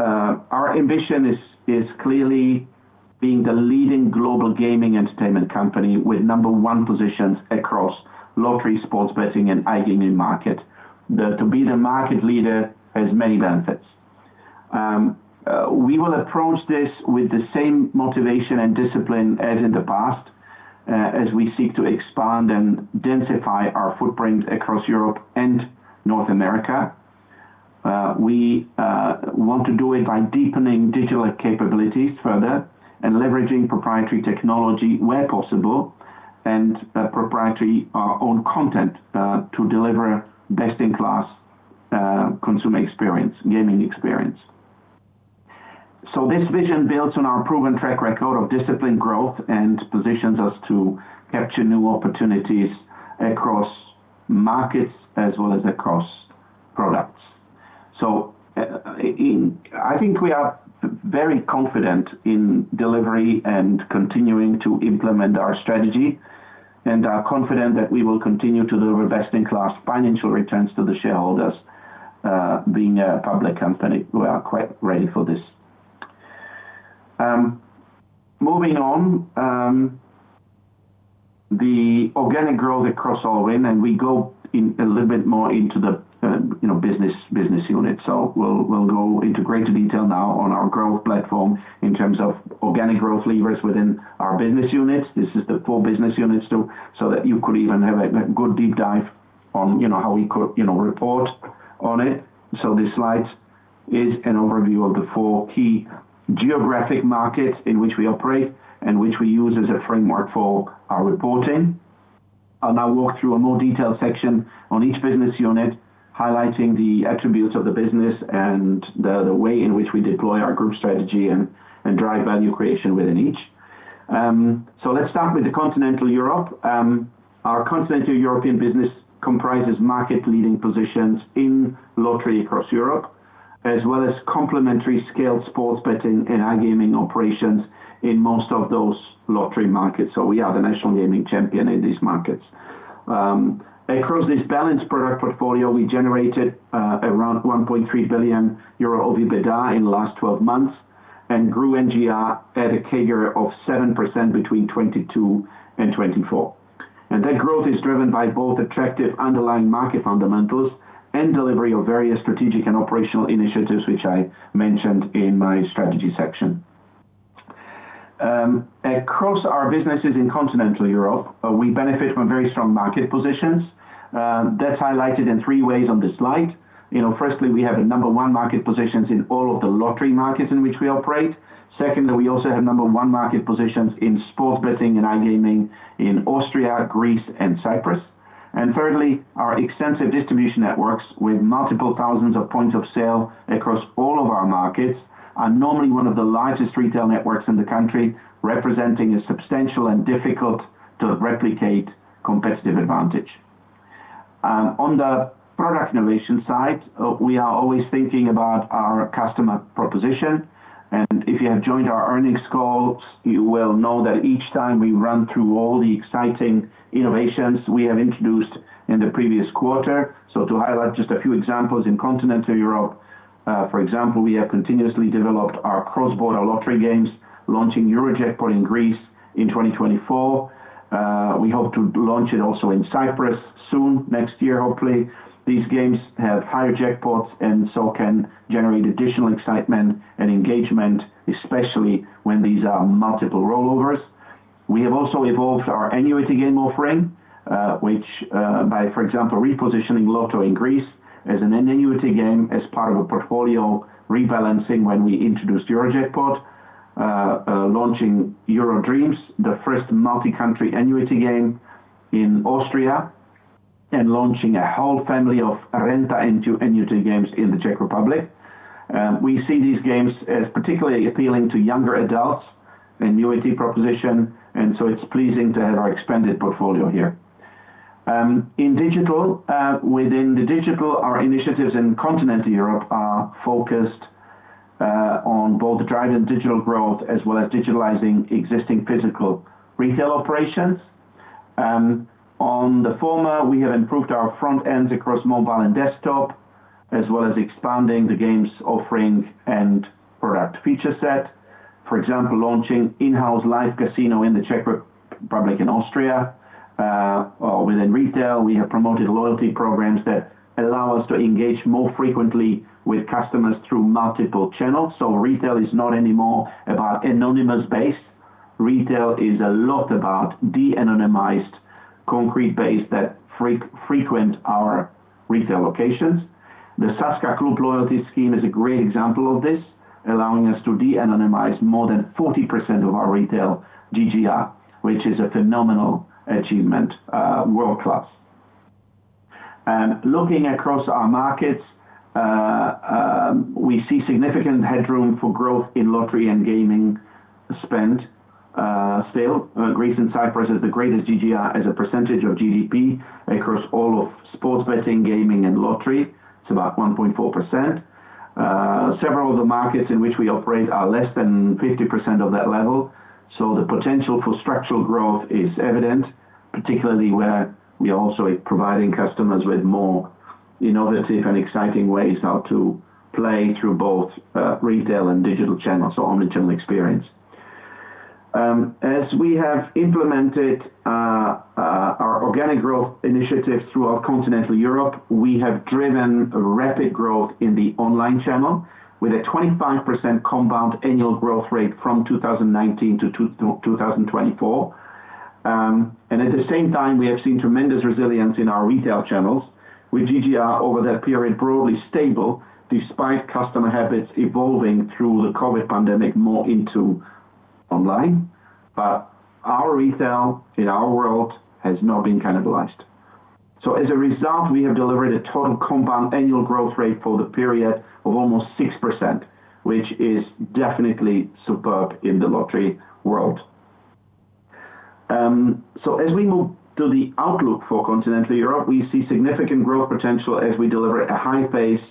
Our ambition is clearly being the leading global gaming entertainment company with number one positions across lottery, sports betting, and iGaming market. To be the market leader has many benefits. We will approach this with the same motivation and discipline as in the past as we seek to expand and densify our footprint across Europe and North America. We want to do it by deepening digital capabilities further and leveraging proprietary technology where possible and proprietary own content to deliver best-in-class consumer experience, gaming experience. This vision builds on our proven track record of disciplined growth and positions us to capture new opportunities across markets as well as across products. I think we are very confident in delivery and continuing to implement our strategy and are confident that we will continue to deliver best-in-class financial returns to the shareholders being a public company. We are quite ready for this. Moving on, the across Allwyn, and we go a little bit more into the business unit. We will go into greater detail now on our growth platform in terms of organic growth levers within our business units. This is the four business units so that you could even have a good deep dive on how we could report on it. This slide is an overview of the four key geographic markets in which we operate and which we use as a framework for our reporting. I'll walk through a more detailed section on each business unit, highlighting the attributes of the business and the way in which we deploy our group strategy and drive value creation within each. Let's start with continental Europe. Our continental European business comprises market-leading positions in lottery across Europe, as well as complementary scaled sports betting and iGaming operations in most of those lottery markets. We are the national gaming champion in these markets. Across this balanced product portfolio, we generated around 1.3 billion euro OVBDA in the last 12 months and grew NGR at a CAGR of 7% between 2022 and 2024. That growth is driven by both attractive underlying market fundamentals and delivery of various strategic and operational initiatives, which I mentioned in my strategy section. Across our businesses in continental Europe, we benefit from very strong market positions. That is highlighted in three ways on this slide. Firstly, we have number one market positions in all of the lottery markets in which we operate. Secondly, we also have number one market positions in sports betting and iGaming in Austria, Greece, and Cyprus. Thirdly, our extensive distribution networks with multiple thousands of points of sale across all of our markets are normally one of the largest retail networks in the country, representing a substantial and difficult-to-replicate competitive advantage. On the product innovation side, we are always thinking about our customer proposition. If you have joined our earnings calls, you will know that each time we run through all the exciting innovations we have introduced in the previous quarter. To highlight just a few examples in continental Europe, for example, we have continuously developed our cross-border lottery games, launching Euro Jackpot in Greece in 2024. We hope to launch it also in Cyprus soon, next year, hopefully. These games have higher jackpots and so can generate additional excitement and engagement, especially when these are multiple rollovers. We have also evolved our annuity game offering, which, by, for example, repositioning Lotto in Greece as an annuity game as part of a portfolio rebalancing when we introduced Euro Jackpot, launching Euro Dreams, the first multi-country annuity game in Austria, and launching a whole family of Renta annuity games in the Czech Republic. We see these games as particularly appealing to younger adults, annuity proposition, and so it's pleasing to have our expanded portfolio here. In digital, within the digital, our initiatives in continental Europe are focused on both driving digital growth as well as digitalizing existing physical retail operations. On the former, we have improved our front ends across mobile and desktop, as well as expanding the games offering and product feature set. For example, launching in-house live casino in the Czech Republic and Austria. Within retail, we have promoted loyalty programs that allow us to engage more frequently with customers through multiple channels. Retail is not anymore about anonymous base. Retail is a lot about de-anonymized concrete base that frequent our retail locations. The Sazka Group Loyalty Scheme is a great example of this, allowing us to de-anonymize more than 40% of our retail GGR, which is a phenomenal achievement, world-class. Looking across our markets, we see significant headroom for growth in lottery and gaming spend still. Greece and Cyprus have the greatest GGR as a percentage of GDP across all of sports betting, gaming, and lottery. It is about 1.4%. Several of the markets in which we operate are less than 50% of that level. The potential for structural growth is evident, particularly where we are also providing customers with more innovative and exciting ways how to play through both retail and digital channels, so omnichannel experience. As we have implemented our organic growth initiatives throughout continental Europe, we have driven rapid growth in the online channel with a 25% compound annual growth rate from 2019 to 2024. At the same time, we have seen tremendous resilience in our retail channels, with GGR over that period broadly stable despite customer habits evolving through the COVID pandemic more into online. Our retail in our world has not been cannibalized. As a result, we have delivered a total compound annual growth rate for the period of almost 6%, which is definitely superb in the lottery world. As we move to the outlook for continental Europe, we see significant growth potential as we deliver a high pace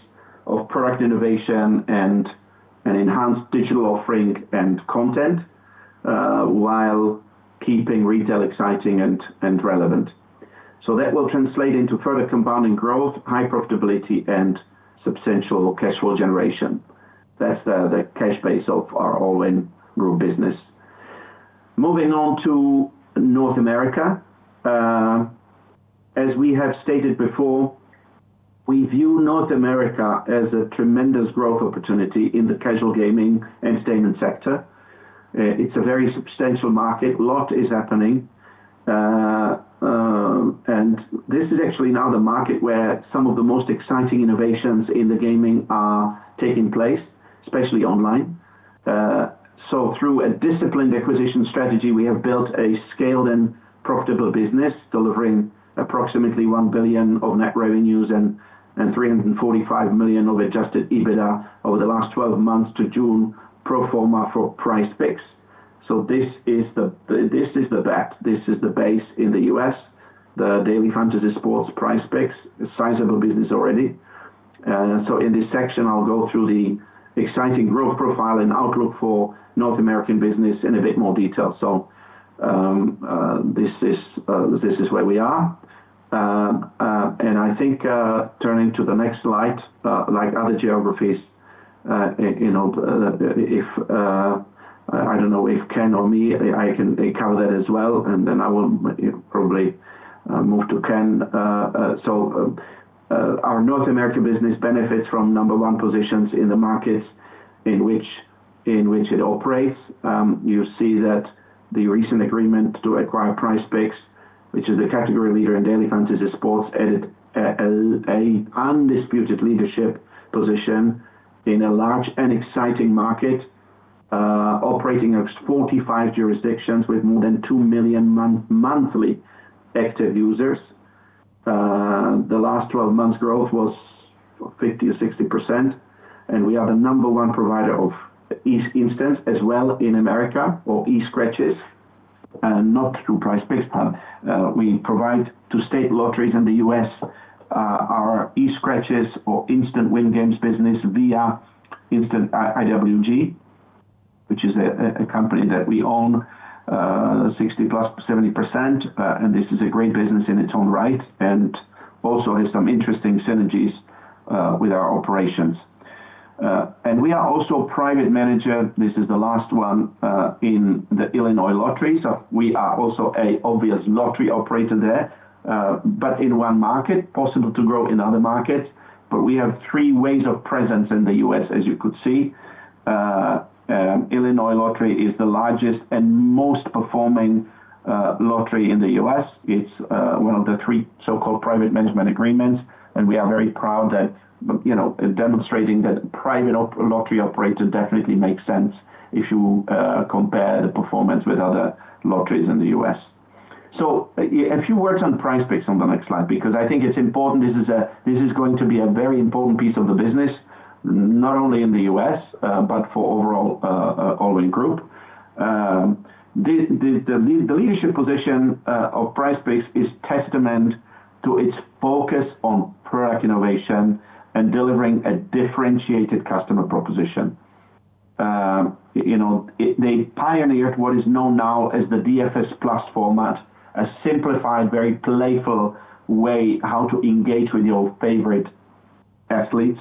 of product innovation and enhanced digital offering and content while keeping retail exciting and relevant. That will translate into further compounding growth, high profitability, and substantial cash flow generation. That is the cash base Allwyn business. Moving on to North America. As we have stated before, we view North America as a tremendous growth opportunity in the casual gaming entertainment sector. It's a very substantial market. A lot is happening. This is actually now the market where some of the most exciting innovations in the gaming are taking place, especially online. Through a disciplined acquisition strategy, we have built a scaled and profitable business, delivering approximately $1 billion of net revenues and $345 million of adjusted EBITDA over the last 12 months to June pro forma for PrizePicks. This is the base in the U.S., the Daily Fantasy Sports PrizePicks, a sizable business already. In this section, I'll go through the exciting growth profile and outlook for North American business in a bit more detail. This is where we are. I think turning to the next slide, like other geographies, if I do not know if Ken or me, I can cover that as well, and then I will probably move to Ken. Our North American business benefits from number one positions in the markets in which it operates. You see that the recent agreement to acquire PrizePicks, which is the category leader in Daily Fantasy Sports, added an undisputed leadership position in a large and exciting market, operating across 45 jurisdictions with more than 2 million monthly active users. The last 12 months' growth was 50%-60%, and we are the number one provider of e-instants as well in America or e-instants. Not through PrizePicks, but we provide to state lotteries in the U.S. our e-instants or instant win games business via IWG, which is a company that we own 60%-70%, and this is a great business in its own right and also has some interesting synergies with our operations. We are also private manager. This is the last one in the Illinois Lottery. We are also an obvious lottery operator there, but in one market, possible to grow in other markets. We have three ways of presence in the U.S., as you could see. Illinois Lottery is the largest and most performing lottery in the U.S. It's one of the three so-called private management agreements, and we are very proud that demonstrating that private lottery operator definitely makes sense if you compare the performance with other lotteries in the U.S. A few words on PrizePicks on the next slide because I think it's important. This is going to be a very important piece of the business, not only in the U.S., but for overall Allwyn Group. The leadership position of PrizePicks is testament to its focus on product innovation and delivering a differentiated customer proposition. They pioneered what is known now as the DFS Plus format, a simplified, very playful way how to engage with your favorite athletes.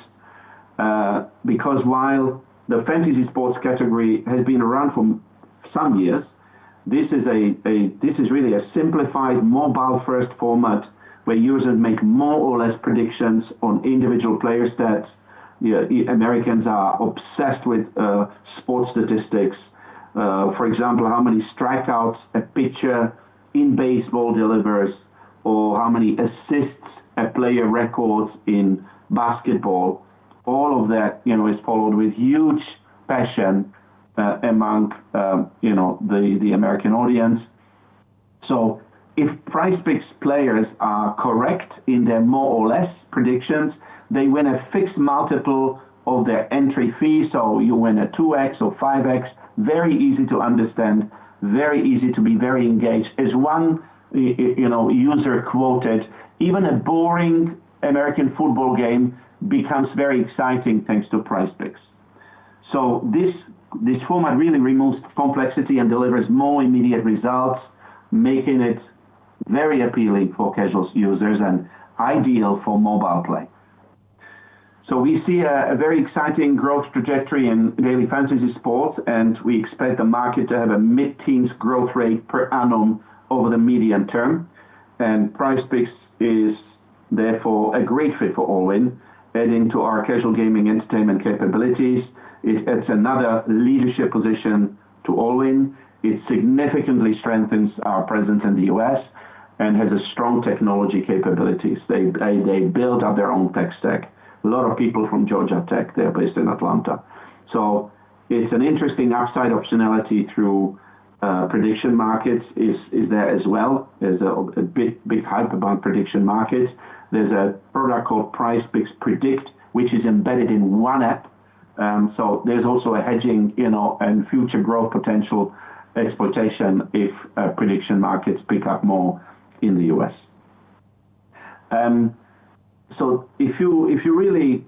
Because while the fantasy sports category has been around for some years, this is really a simplified mobile-first format where users make more or less predictions on individual players that Americans are obsessed with sports statistics. For example, how many strikeouts a pitcher in baseball delivers or how many assists a player records in basketball. All of that is followed with huge passion among the American audience. If PrizePicks players are correct in their more or less predictions, they win a fixed multiple of their entry fee. You win a 2x or 5x, very easy to understand, very easy to be very engaged. As one user quoted, "Even a boring American football game becomes very exciting thanks to PrizePicks." This format really removes complexity and delivers more immediate results, making it very appealing for casual users and ideal for mobile play. We see a very exciting growth trajectory in Daily Fantasy Sports, and we expect the market to have a mid-teens growth rate per annum over the medium term. PrizePicks is therefore a great fit for Allwyn, adding to our casual gaming entertainment capabilities. It adds another to Allwyn it significantly strengthens our presence in the U.S. and has strong technology capabilities. They build up their own tech stack. A lot of people from Georgia Tech, they're based in Atlanta. It's an interesting upside optionality through prediction markets is there as well. There's a big hyperbound prediction market. There's a product called PrizePicks Predict, which is embedded in one app. There's also a hedging and future growth potential exploitation if prediction markets pick up more in the U.S. If you really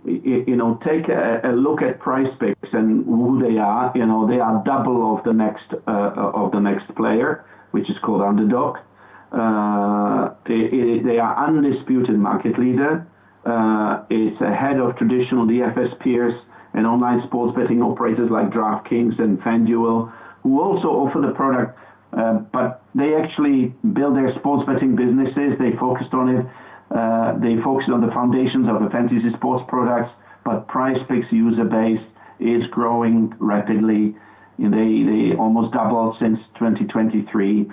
take a look at PrizePicks and who they are, they are double of the next player, which is called Underdog. They are an undisputed market leader. It's ahead of traditional DFS peers and online sports betting operators like DraftKings and FanDuel, who also offer the product, but they actually build their sports betting businesses. They focused on it. They focused on the foundations of the fantasy sports products, but PrizePicks user base is growing rapidly. They almost doubled since 2023.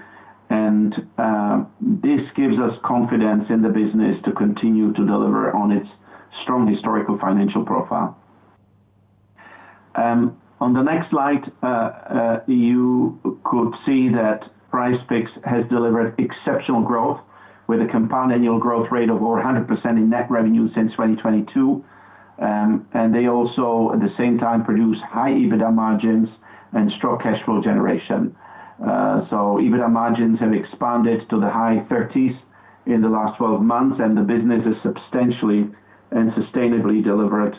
This gives us confidence in the business to continue to deliver on its strong historical financial profile. On the next slide, you could see that PrizePicks has delivered exceptional growth with a compound annual growth rate of over 100% in net revenue since 2022. They also, at the same time, produce high EBITDA margins and strong cash flow generation. EBITDA margins have expanded to the high 30s in the last 12 months, and the business has substantially and sustainably delivered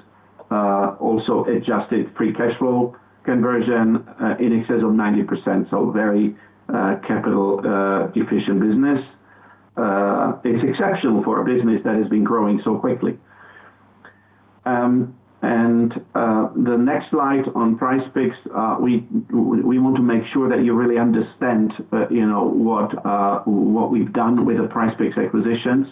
also adjusted free cash flow conversion in excess of 90%. Very capital-efficient business. It's exceptional for a business that has been growing so quickly. The next slide on PrizePicks, we want to make sure that you really understand what we've done with the PrizePicks acquisitions.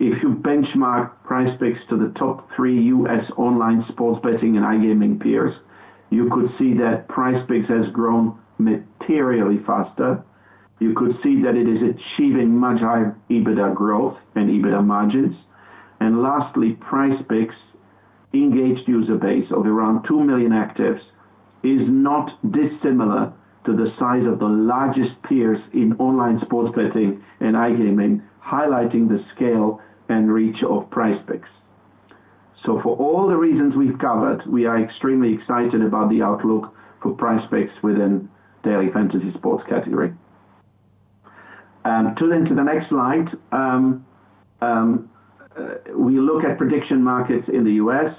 If you benchmark PrizePicks to the top three U.S. online sports betting and iGaming peers, you could see that PrizePicks has grown materially faster. You could see that it is achieving much higher EBITDA growth and EBITDA margins. Lastly, PrizePicks' engaged user base of around 2 million actives is not dissimilar to the size of the largest peers in online sports betting and iGaming, highlighting the scale and reach of PrizePicks. For all the reasons we've covered, we are extremely excited about the outlook for PrizePicks within the Daily Fantasy Sports category. To then to the next slide, we look at prediction markets in the U.S.,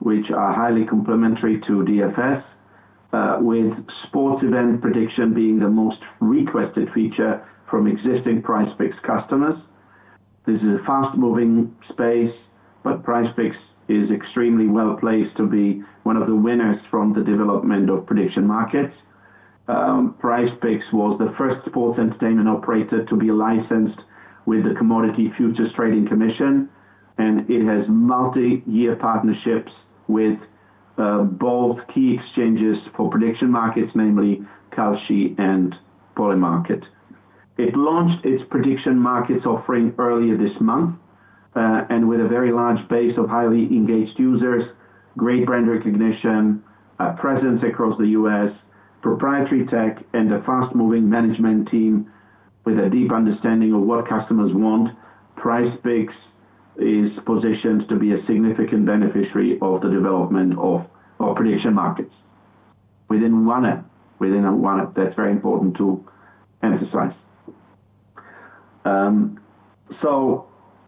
which are highly complementary to DFS, with sports event prediction being the most requested feature from existing PrizePicks customers. This is a fast-moving space, but PrizePicks is extremely well placed to be one of the winners from the development of prediction markets. PrizePicks was the first sports entertainment operator to be licensed with the Commodity Futures Trading Commission, and it has multi-year partnerships with both key exchanges for prediction markets, namely Kalshi and Polymarket. It launched its prediction markets offering earlier this month and with a very large base of highly engaged users, great brand recognition, presence across the U.S., proprietary tech, and a fast-moving management team with a deep understanding of what customers want. PrizePicks is positioned to be a significant beneficiary of the development of prediction markets within one app. Within one app, that's very important to emphasize.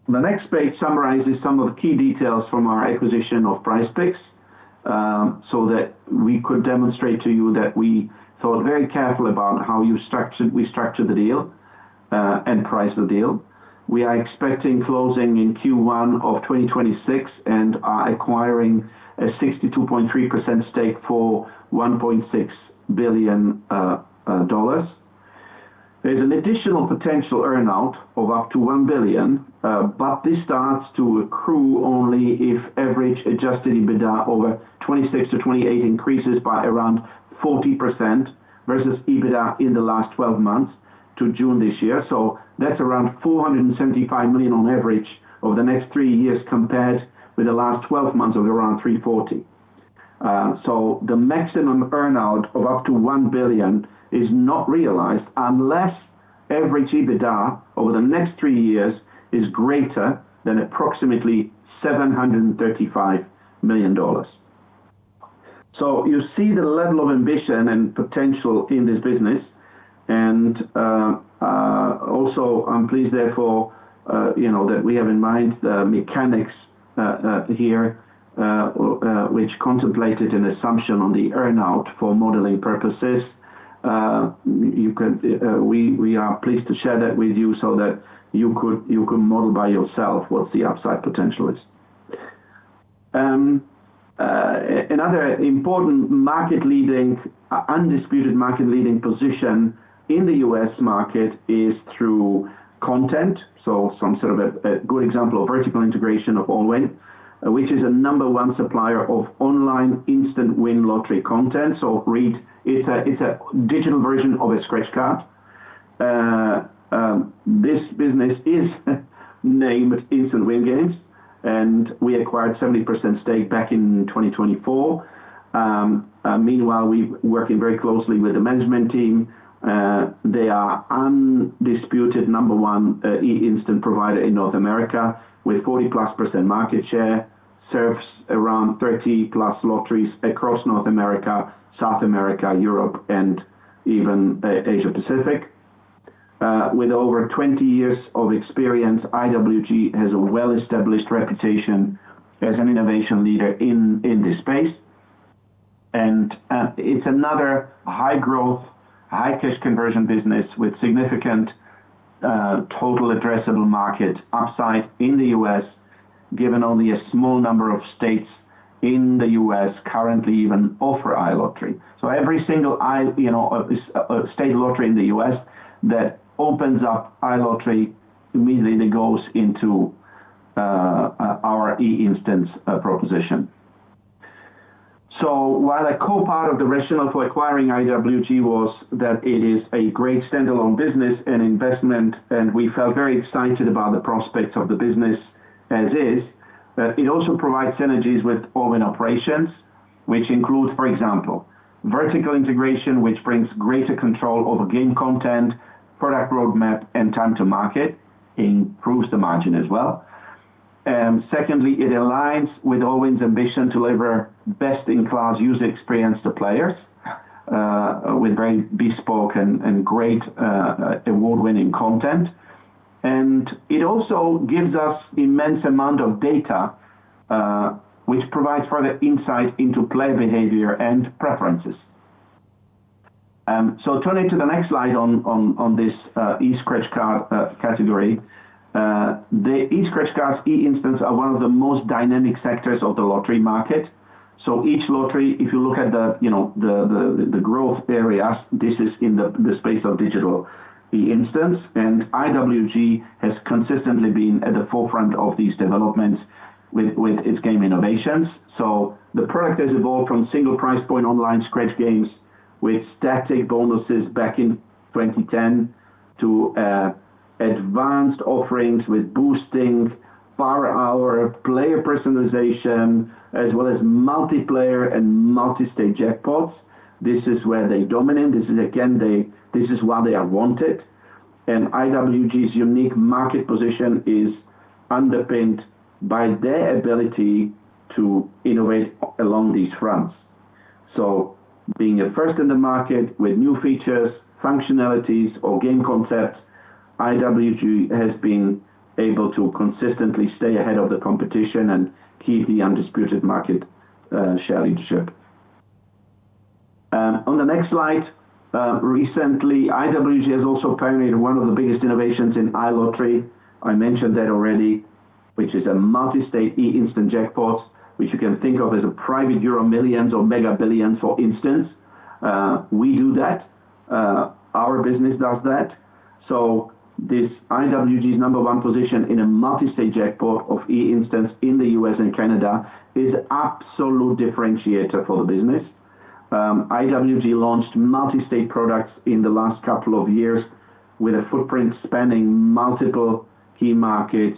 The next page summarizes some of the key details from our acquisition of PrizePicks so that we could demonstrate to you that we thought very carefully about how we structured the deal and priced the deal. We are expecting closing in Q1 of 2026 and are acquiring a 62.3% stake for $1.6 billion. There is an additional potential earnout of up to $1 billion, but this starts to accrue only if average adjusted EBITDA over 2026 to 2028 increases by around 40% versus EBITDA in the last 12 months to June this year. That is around $475 million on average over the next three years compared with the last 12 months of around $340 million. The maximum earnout of up to $1 billion is not realized unless average EBITDA over the next three years is greater than approximately $735 million. You see the level of ambition and potential in this business. I am pleased therefore that we have in mind the mechanics here, which contemplated an assumption on the earnout for modeling purposes. We are pleased to share that with you so that you could model by yourself what the upside potential is. Another important market-leading, undisputed market-leading position in the U.S. market is through content. Some sort of a good example of vertical integration of Allwyn, which is a number one supplier of online instant win lottery content. Read, it is a digital version of a scratch card. This business is named Instant Win Games, and we acquired a 70% stake back in 2024. Meanwhile, we're working very closely with the management team. They are an undisputed number one instant provider in North America with 40%+ market share, serves around 30+ lotteries across North America, South America, Europe, and even Asia-Pacific. With over 20 years of experience, IWG has a well-established reputation as an innovation leader in this space. It is another high-growth, high-cash conversion business with significant total addressable market upside in the U.S., given only a small number of states in the U.S. currently even offer iLottery. Every single state lottery in the U.S. that opens up iLottery immediately goes into our e-instants proposition. While a core part of the rationale for acquiring IWG was that it is a great standalone business and investment, and we felt very excited about the prospects of the business as is, it also provides synergies with Allwyn operations, which include, for example, vertical integration, which brings greater control over game content, product roadmap, and time to market, improves the margin as well. Secondly, it aligns with Allwyn's ambition to deliver best-in-class user experience to players with very bespoke and great award-winning content. It also gives us an immense amount of data, which provides further insight into player behavior and preferences. Turning to the next slide on this e-scratch card category, the e-scratch cards, e-instants are one of the most dynamic sectors of the lottery market. Each lottery, if you look at the growth areas, this is in the space of digital e-instants. IWG has consistently been at the forefront of these developments with its game innovations. The product has evolved from single price point online scratch games with static bonuses back in 2010 to advanced offerings with boosting power hour, player personalization, as well as multiplayer and multi-stage jackpots. This is where they dominate. This is, again, this is why they are wanted. IWG's unique market position is underpinned by their ability to innovate along these fronts. Being a first in the market with new features, functionalities, or game concepts, IWG has been able to consistently stay ahead of the competition and keep the undisputed market share leadership. On the next slide, recently, IWG has also pioneered one of the biggest innovations in iLottery. I mentioned that already, which is a multi-state e-instant jackpot, which you can think of as a private EuroMillions or Mega Billions for instance. We do that. Our business does that. This is IWG's number one position in a multi-state jackpot of e-instants in the U.S. and Canada, which is the absolute differentiator for the business. IWG launched multi-state products in the last couple of years with a footprint spanning multiple key markets.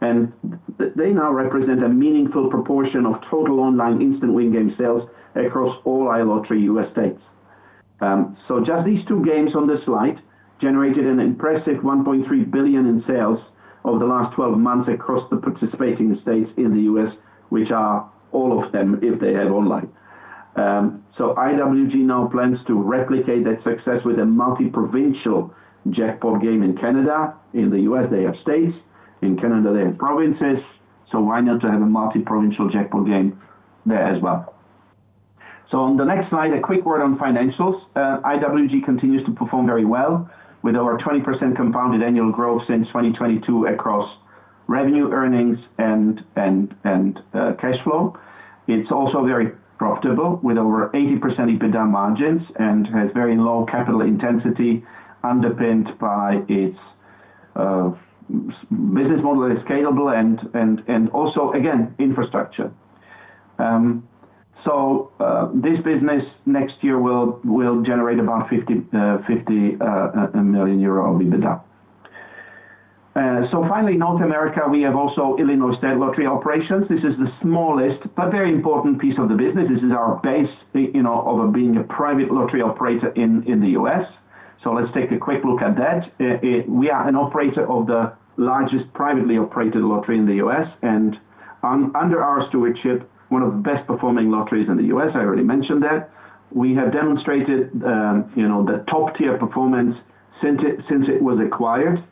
They now represent a meaningful proportion of total online instant win game sales across all iLottery U.S. states. Just these two games on the slide generated an impressive $1.3 billion in sales over the last 12 months across the participating states in the U.S., which are all of them if they have online. IWG now plans to replicate that success with a multi-provincial jackpot game in Canada. In the U.S., they have states. In Canada, they have provinces. Why not have a multi-provincial jackpot game there as well? On the next slide, a quick word on financials. IWG continues to perform very well with over 20% compounded annual growth since 2022 across revenue, earnings, and cash flow. It is also very profitable with over 80% EBITDA margins and has very low capital intensity underpinned by its business model that is scalable and also, again, infrastructure. This business next year will generate about 50 million euro of EBITDA. Finally, North America, we have also Illinois State Lottery Operations. This is the smallest but very important piece of the business. This is our base of being a private lottery operator in the U.S. Let's take a quick look at that. We are an operator of the largest privately operated lottery in the U.S. and under our stewardship, one of the best performing lotteries in the U.S. I already mentioned that. We have demonstrated the top-tier performance since it was acquired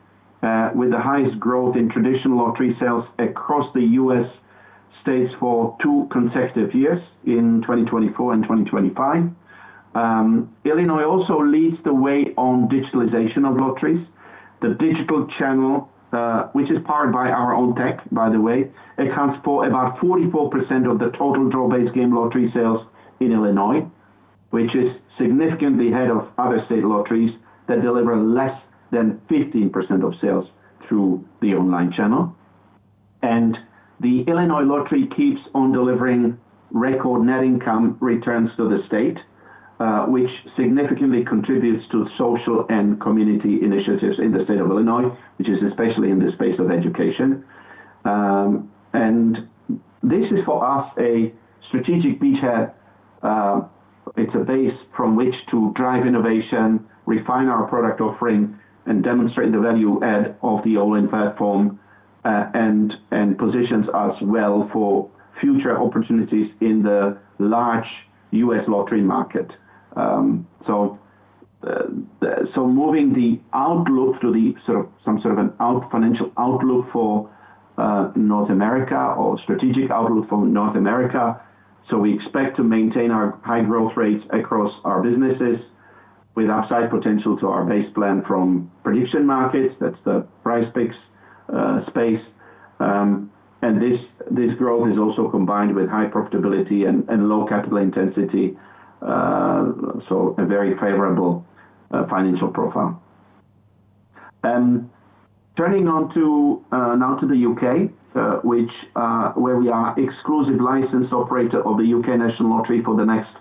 with the highest growth in traditional lottery sales across the U.S. states for two consecutive years in 2024 and 2025. Illinois also leads the way on digitalization of lotteries, the digital channel, which is powered by our own tech, by the way. It accounts for about 44% of the total draw-based game lottery sales in Illinois, which is significantly ahead of other state lotteries that deliver less than 15% of sales through the online channel. The Illinois Lottery keeps on delivering record net income returns to the state, which significantly contributes to social and community initiatives in the state of Illinois, which is especially in the space of education. This is for us a strategic beachhead. It's a base from which to drive innovation, refine our product offering, and demonstrate the value add of the Allwyn platform and positions us well for future opportunities in the large U.S. lottery market. Moving the outlook to some sort of a financial outlook for North America or strategic outlook for North America. We expect to maintain our high growth rates across our businesses with upside potential to our base plan from prediction markets. That's the PrizePicks space. This growth is also combined with high profitability and low capital intensity. A very favorable financial profile. Turning now to the U.K., where we are exclusive license operator of the U.K. National Lottery for the next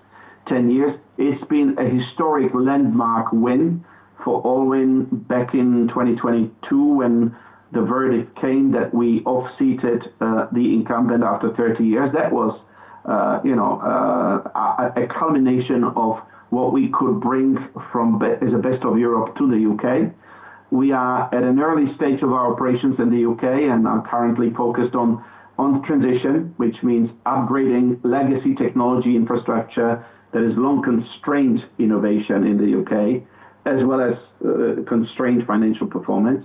10 years. It's been a historic landmark win for OPAP back in 2022 when the verdict came that we off-seated the incumbent after 30 years. That was a culmination of what we could bring as a best of Europe to the U.K. We are at an early stage of our operations in the U.K. and are currently focused on transition, which means upgrading legacy technology infrastructure that has long constrained innovation in the U.K., as well as constrained financial performance.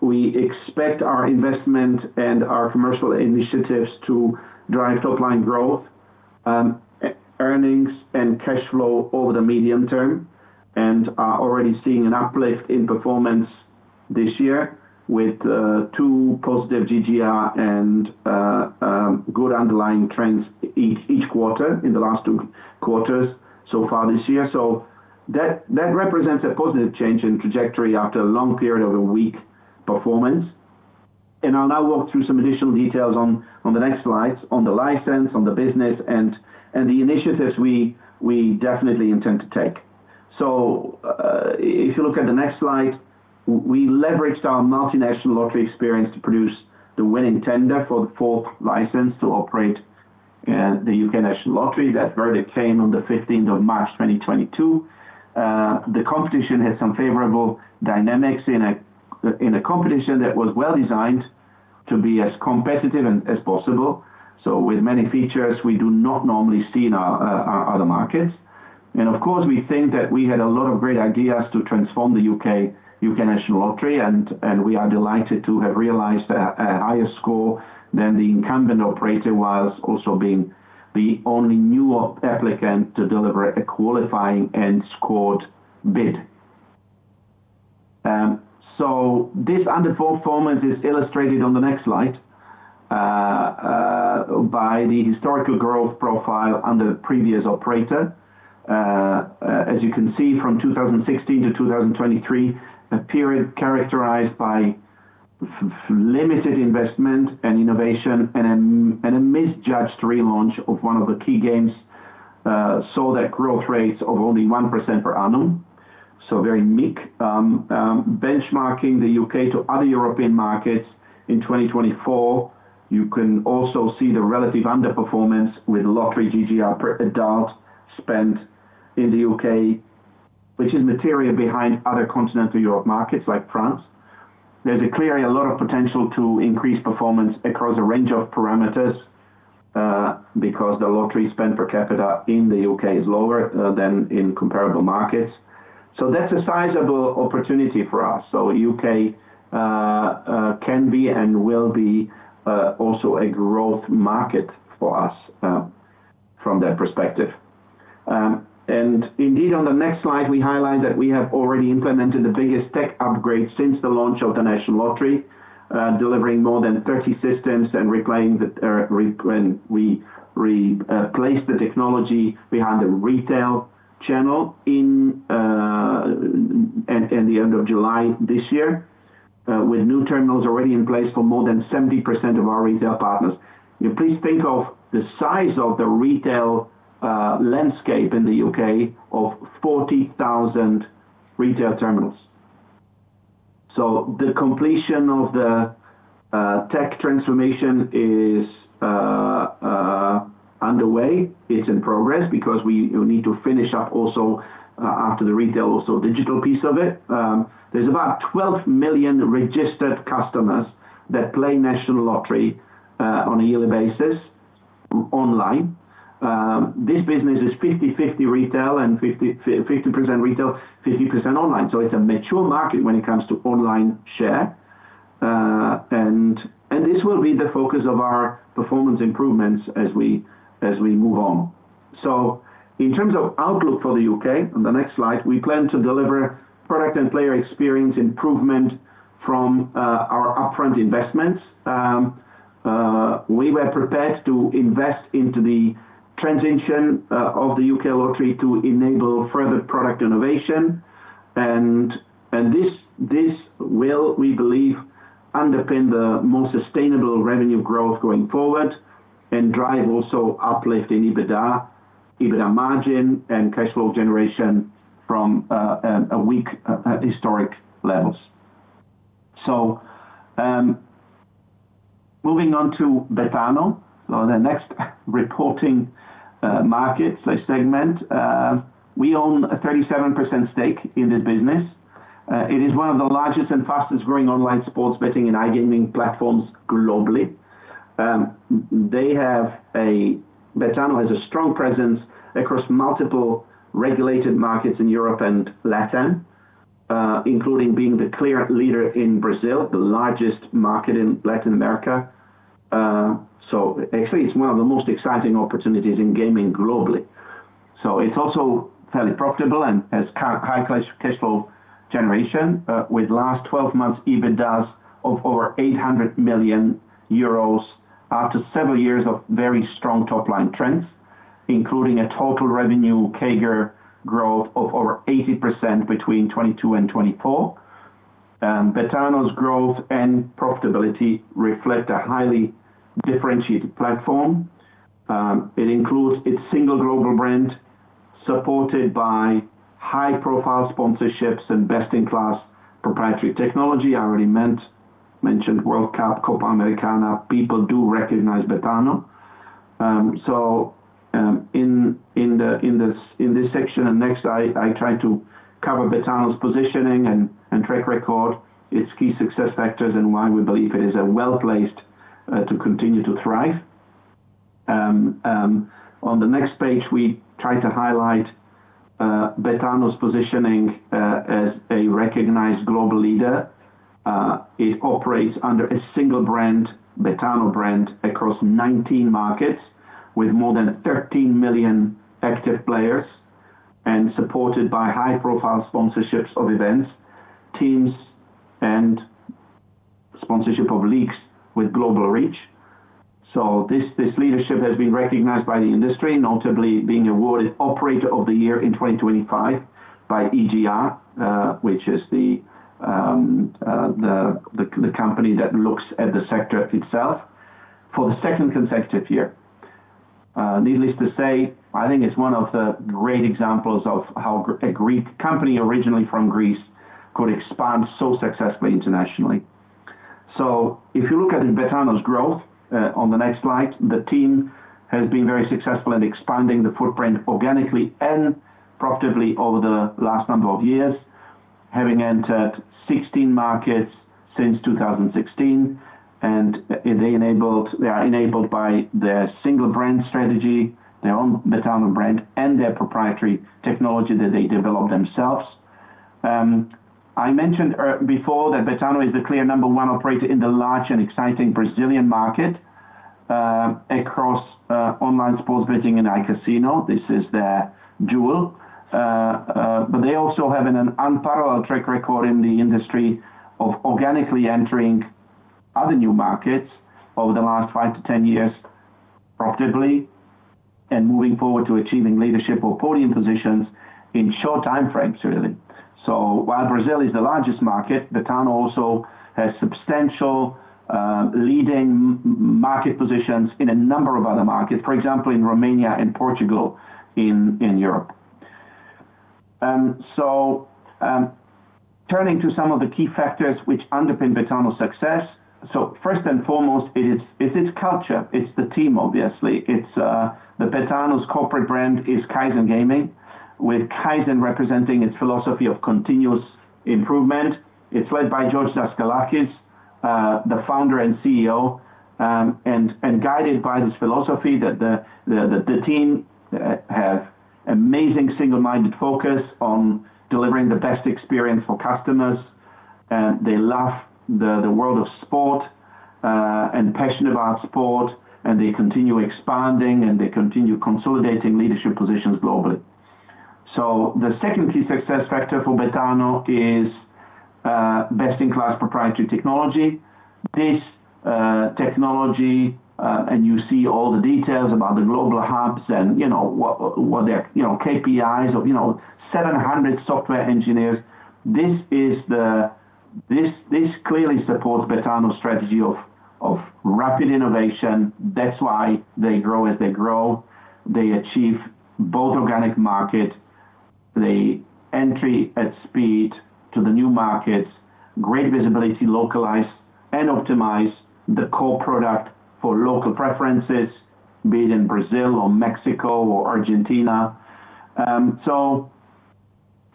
We expect our investment and our commercial initiatives to drive top-line growth, earnings, and cash flow over the medium term and are already seeing an uplift in performance this year with two positive GGR and good underlying trends each quarter in the last two quarters so far this year. That represents a positive change in trajectory after a long period of weak performance. I'll now walk through some additional details on the next slides on the license, on the business, and the initiatives we definitely intend to take. If you look at the next slide, we leveraged our multinational lottery experience to produce the winning tender for the fourth license to operate the U.K. National Lottery. That verdict came on the 15th of March, 2022. The competition had some favorable dynamics in a competition that was well designed to be as competitive as possible, with many features we do not normally see in our other markets. Of course, we think that we had a lot of great ideas to transform the U.K. National Lottery. We are delighted to have realized a higher score than the incumbent operator was, also being the only new applicant to deliver a qualifying and scored bid. This underperformance is illustrated on the next slide by the historical growth profile under previous operator. As you can see, from 2016 to 2023, a period characterized by limited investment and innovation and a misjudged relaunch of one of the key games saw that growth rates of only 1% per annum. Very meek. Benchmarking the U.K. to other European markets in 2024, you can also see the relative underperformance with lottery GGR adult spend in the U.K., which is material behind other continental Europe markets like France. There is clearly a lot of potential to increase performance across a range of parameters because the lottery spend per capita in the U.K. is lower than in comparable markets. That is a sizable opportunity for us. The U.K. can be and will be also a growth market for us from that perspective. Indeed, on the next slide, we highlight that we have already implemented the biggest tech upgrade since the launch of the National Lottery, delivering more than 30 systems and replaced the technology behind the retail channel at the end of July this year, with new terminals already in place for more than 70% of our retail partners. Please think of the size of the retail landscape in the U.K. of 40,000 retail terminals. The completion of the tech transformation is underway. It's in progress because we need to finish up also after the retail, also digital piece of it. There's about 12 million registered customers that play National Lottery on a yearly basis online. This business is 50% retail, 50% online. It's a mature market when it comes to online share. This will be the focus of our performance improvements as we move on. In terms of outlook for the U.K., on the next slide, we plan to deliver product and player experience improvement from our upfront investments. We were prepared to invest into the transition of the U.K. Lottery to enable further product innovation. This will, we believe, underpin the more sustainable revenue growth going forward and drive also uplift in EBITDA, EBITDA margin, and cash flow generation from weak historic levels. Moving on to Betano, the next reporting market segment. We own a 37% stake in this business. It is one of the largest and fastest growing online sports betting and iGaming platforms globally. Betano has a strong presence across multiple regulated markets in Europe and Latin, including being the clear leader in Brazil, the largest market in Latin America. Actually, it's one of the most exciting opportunities in gaming globally. It's also fairly profitable and has high cash flow generation with last 12 months EBITDA of over 800 million euros after several years of very strong top-line trends, including a total revenue CAGR growth of over 80% between 2022 and 2024. Betano's growth and profitability reflect a highly differentiated platform. It includes its single global brand supported by high-profile sponsorships and best-in-class proprietary technology. I already mentioned World Cup, Copa Americana. People do recognize Betano. In this section and next, I try to cover Betano's positioning and track record, its key success factors, and why we believe it is well placed to continue to thrive. On the next page, we try to highlight Betano's positioning as a recognized global leader. It operates under a single brand, Betano brand, across 19 markets with more than 13 million active players and supported by high-profile sponsorships of events, teams, and sponsorship of leagues with global reach. This leadership has been recognized by the industry, notably being awarded Operator of the Year in 2025 by EGR, which is the company that looks at the sector itself for the second consecutive year. Needless to say, I think it's one of the great examples of how a company originally from Greece could expand so successfully internationally. If you look at Betano's growth on the next slide, the team has been very successful in expanding the footprint organically and profitably over the last number of years, having entered 16 markets since 2016. They are enabled by their single brand strategy, their own Betano brand, and their proprietary technology that they developed themselves. I mentioned before that Betano is the clear number one operator in the large and exciting Brazilian market across online sports betting and iCasino. This is their jewel. They also have an unparalleled track record in the industry of organically entering other new markets over the last five to ten years profitably and moving forward to achieving leadership or podium positions in short time frames, really. While Brazil is the largest market, Betano also has substantial leading market positions in a number of other markets, for example, in Romania and Portugal in Europe. Turning to some of the key factors which underpin Betano's success. First and foremost, it's its culture. It's the team, obviously. Betano's corporate brand is Kaizen Gaming, with Kaizen representing its philosophy of continuous improvement. It's led by George Daskalakis, the founder and CEO, and guided by this philosophy that the team have amazing single-minded focus on delivering the best experience for customers. They love the world of sport and passionate about sport, and they continue expanding and they continue consolidating leadership positions globally. The second key success factor for Betano is best-in-class proprietary technology. This technology, and you see all the details about the global hubs and what their KPIs of 700 software engineers. This clearly supports Betano's strategy of rapid innovation. That's why they grow as they grow. They achieve both organic market, they entry at speed to the new markets, great visibility, localize and optimize the core product for local preferences, be it in Brazil or Mexico or Argentina.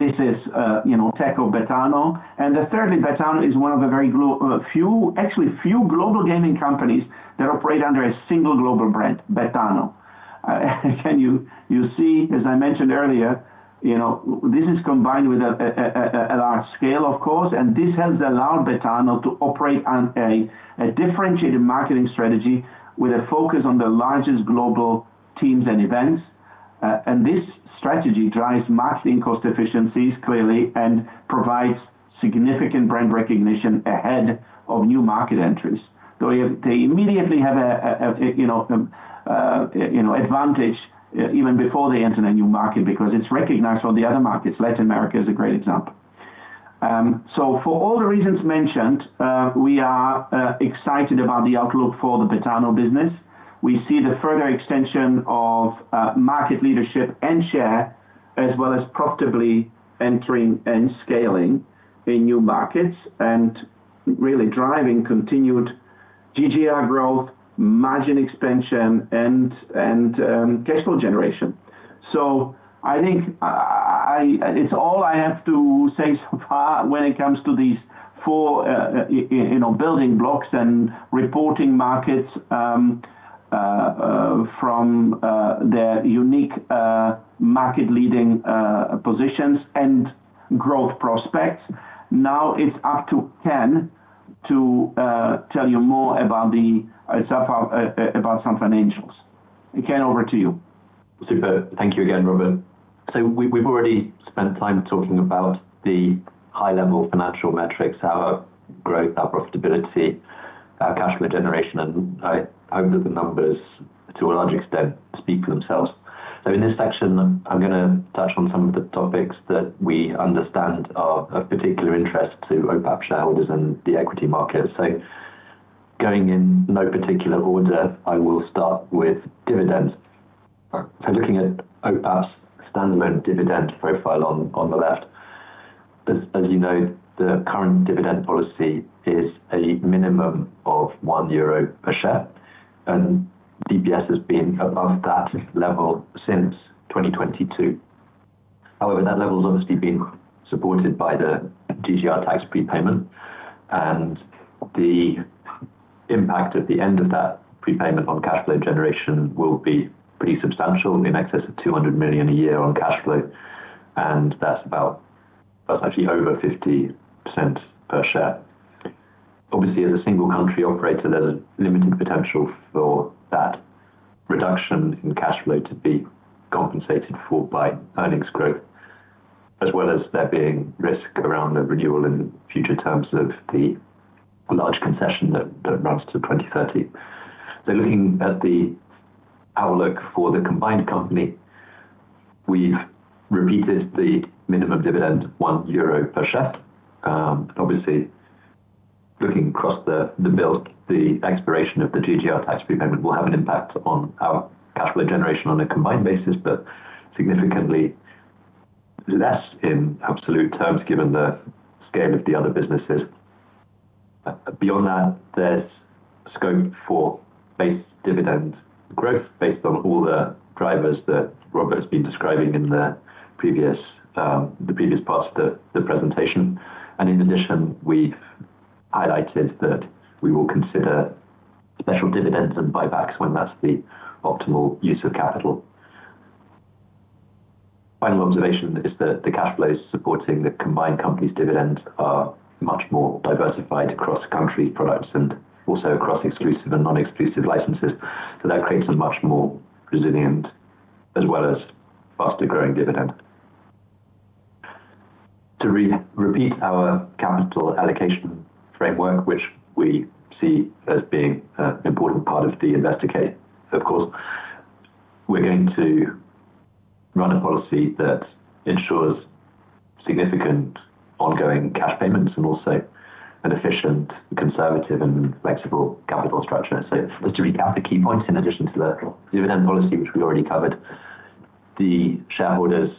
This is tech of Betano. Thirdly, Betano is one of the very few, actually few global gaming companies that operate under a single global brand, Betano. You see, as I mentioned earlier, this is combined with a large scale, of course, and this has allowed Betano to operate a differentiated marketing strategy with a focus on the largest global teams and events. This strategy drives marketing cost efficiencies, clearly, and provides significant brand recognition ahead of new market entries. They immediately have an advantage even before they enter a new market because it is recognized from the other markets. Latin America is a great example. For all the reasons mentioned, we are excited about the outlook for the Betano business. We see the further extension of market leadership and share, as well as profitably entering and scaling in new markets and really driving continued GGR growth, margin expansion, and cash flow generation. I think it's all I have to say so far when it comes to these four building blocks and reporting markets from their unique market-leading positions and growth prospects. Now it's up to Ken to tell you more about some financials. Ken, over to you. Super. Thank you again, Robert. We've already spent time talking about the high-level financial metrics, our growth, our profitability, our cash flow generation, and I hope that the numbers to a large extent speak for themselves. In this section, I'm going to touch on some of the topics that we understand are of particular interest to OPAP shareholders and the equity markets. Going in no particular order, I will start with dividends. Looking at OPAP's standalone dividend profile on the left, as you know, the current dividend policy is a minimum of 1 euro per share, and DPS has been above that level since 2022. However, that level has obviously been supported by the GGR tax prepayment, and the impact at the end of that prepayment on cash flow generation will be pretty substantial, in excess of 200 million a year on cash flow. That's about actually over 50% per share. Obviously, as a single country operator, there's a limited potential for that reduction in cash flow to be compensated for by earnings growth, as well as there being risk around the renewal in future terms of the large concession that runs to 2030. Looking at how we look for the combined company, we've repeated the minimum dividend, 1 euro per share. Obviously, looking across the bill, the expiration of the GGR tax prepayment will have an impact on our cash flow generation on a combined basis, but significantly less in absolute terms given the scale of the other businesses. Beyond that, there is scope for base dividend growth based on all the drivers that Robert's been describing in the previous parts of the presentation. In addition, we've highlighted that we will consider special dividends and buybacks when that's the optimal use of capital. Final observation is that the cash flows supporting the combined company's dividends are much more diversified across country products and also across exclusive and non-exclusive licenses. That creates a much more resilient as well as faster growing dividend. To repeat our capital allocation framework, which we see as being an important part of the investor, of course, we're going to run a policy that ensures significant ongoing cash payments and also an efficient, conservative, and flexible capital structure. Just to recap the key points, in addition to the dividend policy, which we already covered, the shareholders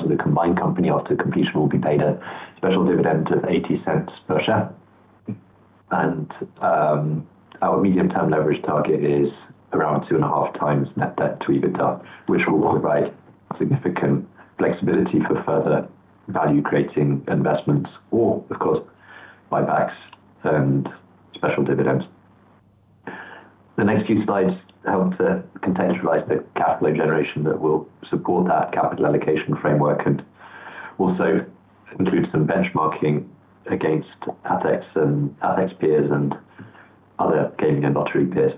of the combined company after completion will be paid a special dividend of 0.80 per share. Our medium-term leverage target is around 2.5x net debt to EBITDA, which will provide significant flexibility for further value-creating investments or, of course, buybacks and special dividends. The next few slides help to contextualize the cash flow generation that will support that capital allocation framework and also include some benchmarking against ATEX and ATEX peers and other gaming and lottery peers.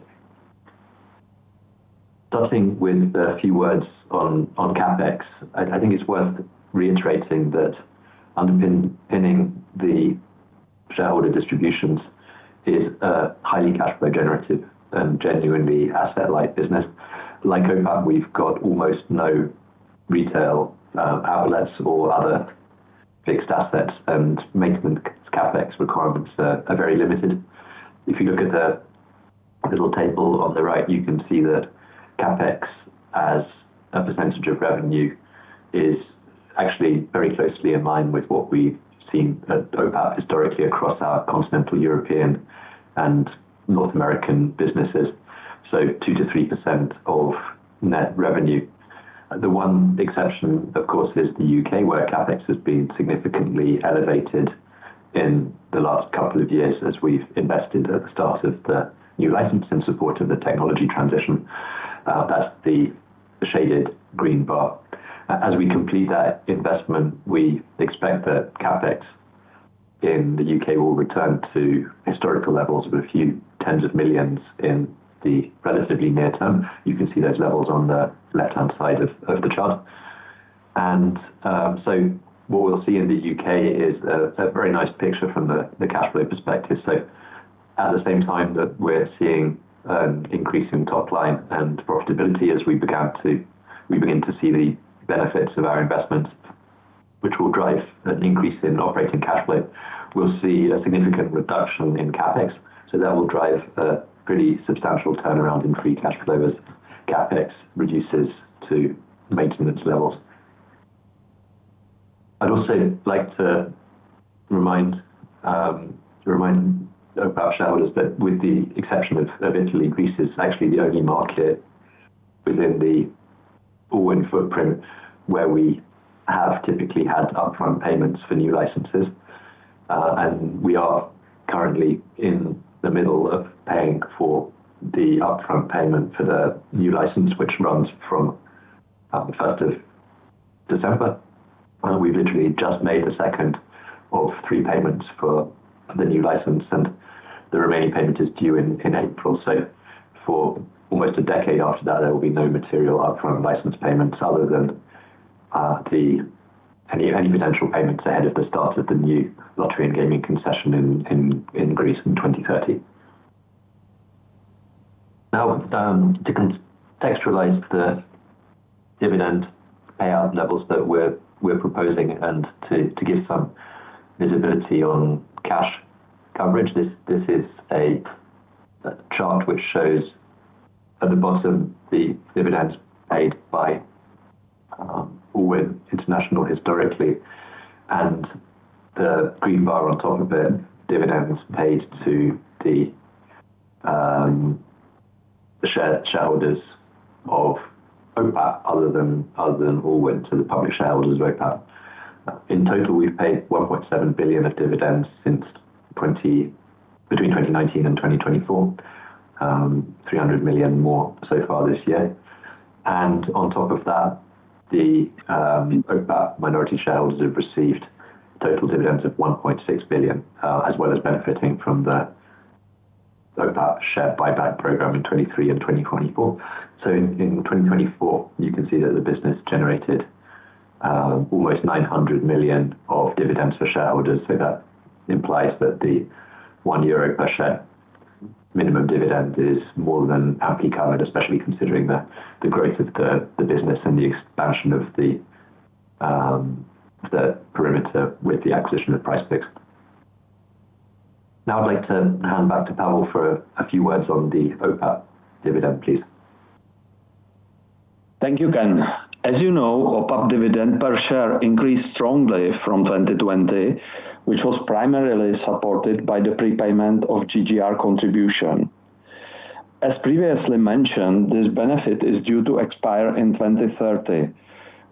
Starting with a few words on CapEx, I think it's worth reiterating that underpinning the shareholder distributions is a highly cash flow generative and genuinely asset-light business. Like OPAP, we've got almost no retail outlets or other fixed assets, and maintenance CapEx requirements are very limited. If you look at the little table on the right, you can see that CapEx as a percentage of revenue is actually very closely in line with what we've seen at OPAP historically across our continental European and North American businesses. 2%-3% of net revenue. The one exception, of course, is the U.K. where CapEx has been significantly elevated in the last couple of years as we've invested at the start of the new license in support of the technology transition. That's the shaded green bar. As we complete that investment, we expect that CapEx in the U.K. will return to historical levels of a few tens of millions in the relatively near term. You can see those levels on the left-hand side of the chart. What we'll see in the U.K. is a very nice picture from the cash flow perspective. At the same time that we're seeing an increase in top line and profitability as we begin to see the benefits of our investments, which will drive an increase in operating cash flow, we'll see a significant reduction in CapEx. That will drive a pretty substantial turnaround in free cash flow as CapEx reduces to maintenance levels. I'd also like to remind OPAP shareholders that with the exception of Italy, Greece is actually the only market within the Allwyn footprint where we have typically had upfront payments for new licenses. We are currently in the middle of paying for the upfront payment for the new license, which runs from the 1st of December. We've literally just made the second of three payments for the new license, and the remaining payment is due in April. For almost a decade after that, there will be no material upfront license payments other than any potential payments ahead of the start of the new lottery and gaming concession in Greece in 2030. Now, to contextualize the dividend payout levels that we're proposing and to give some visibility on cash coverage, this is a chart which shows at the bottom the by Allwyn historically, and the green bar on top of it, dividends paid to the shareholders Allwyn, so the public shareholders of OPAP. In total, we've paid 1.7 billion of dividends since between 2019 and 2024, 300 million more so far this year. On top of that, the OPAP minority shareholders have received total dividends of 1.6 billion, as well as benefiting from the OPAP share buyback program in 2023 and 2024. In 2024, you can see that the business generated almost 900 million of dividends for shareholders. That implies that the 1 euro per share minimum dividend is more than amply covered, especially considering the growth of the business and the expansion of the perimeter with the acquisition of PrizePicks. Now I'd like to hand back to Pavel for a few words on the OPAP dividend, please. Thank you, Ken. As you know, OPAP dividend per share increased strongly from 2020, which was primarily supported by the prepayment of GGR contribution. As previously mentioned, this benefit is due to expire in 2030,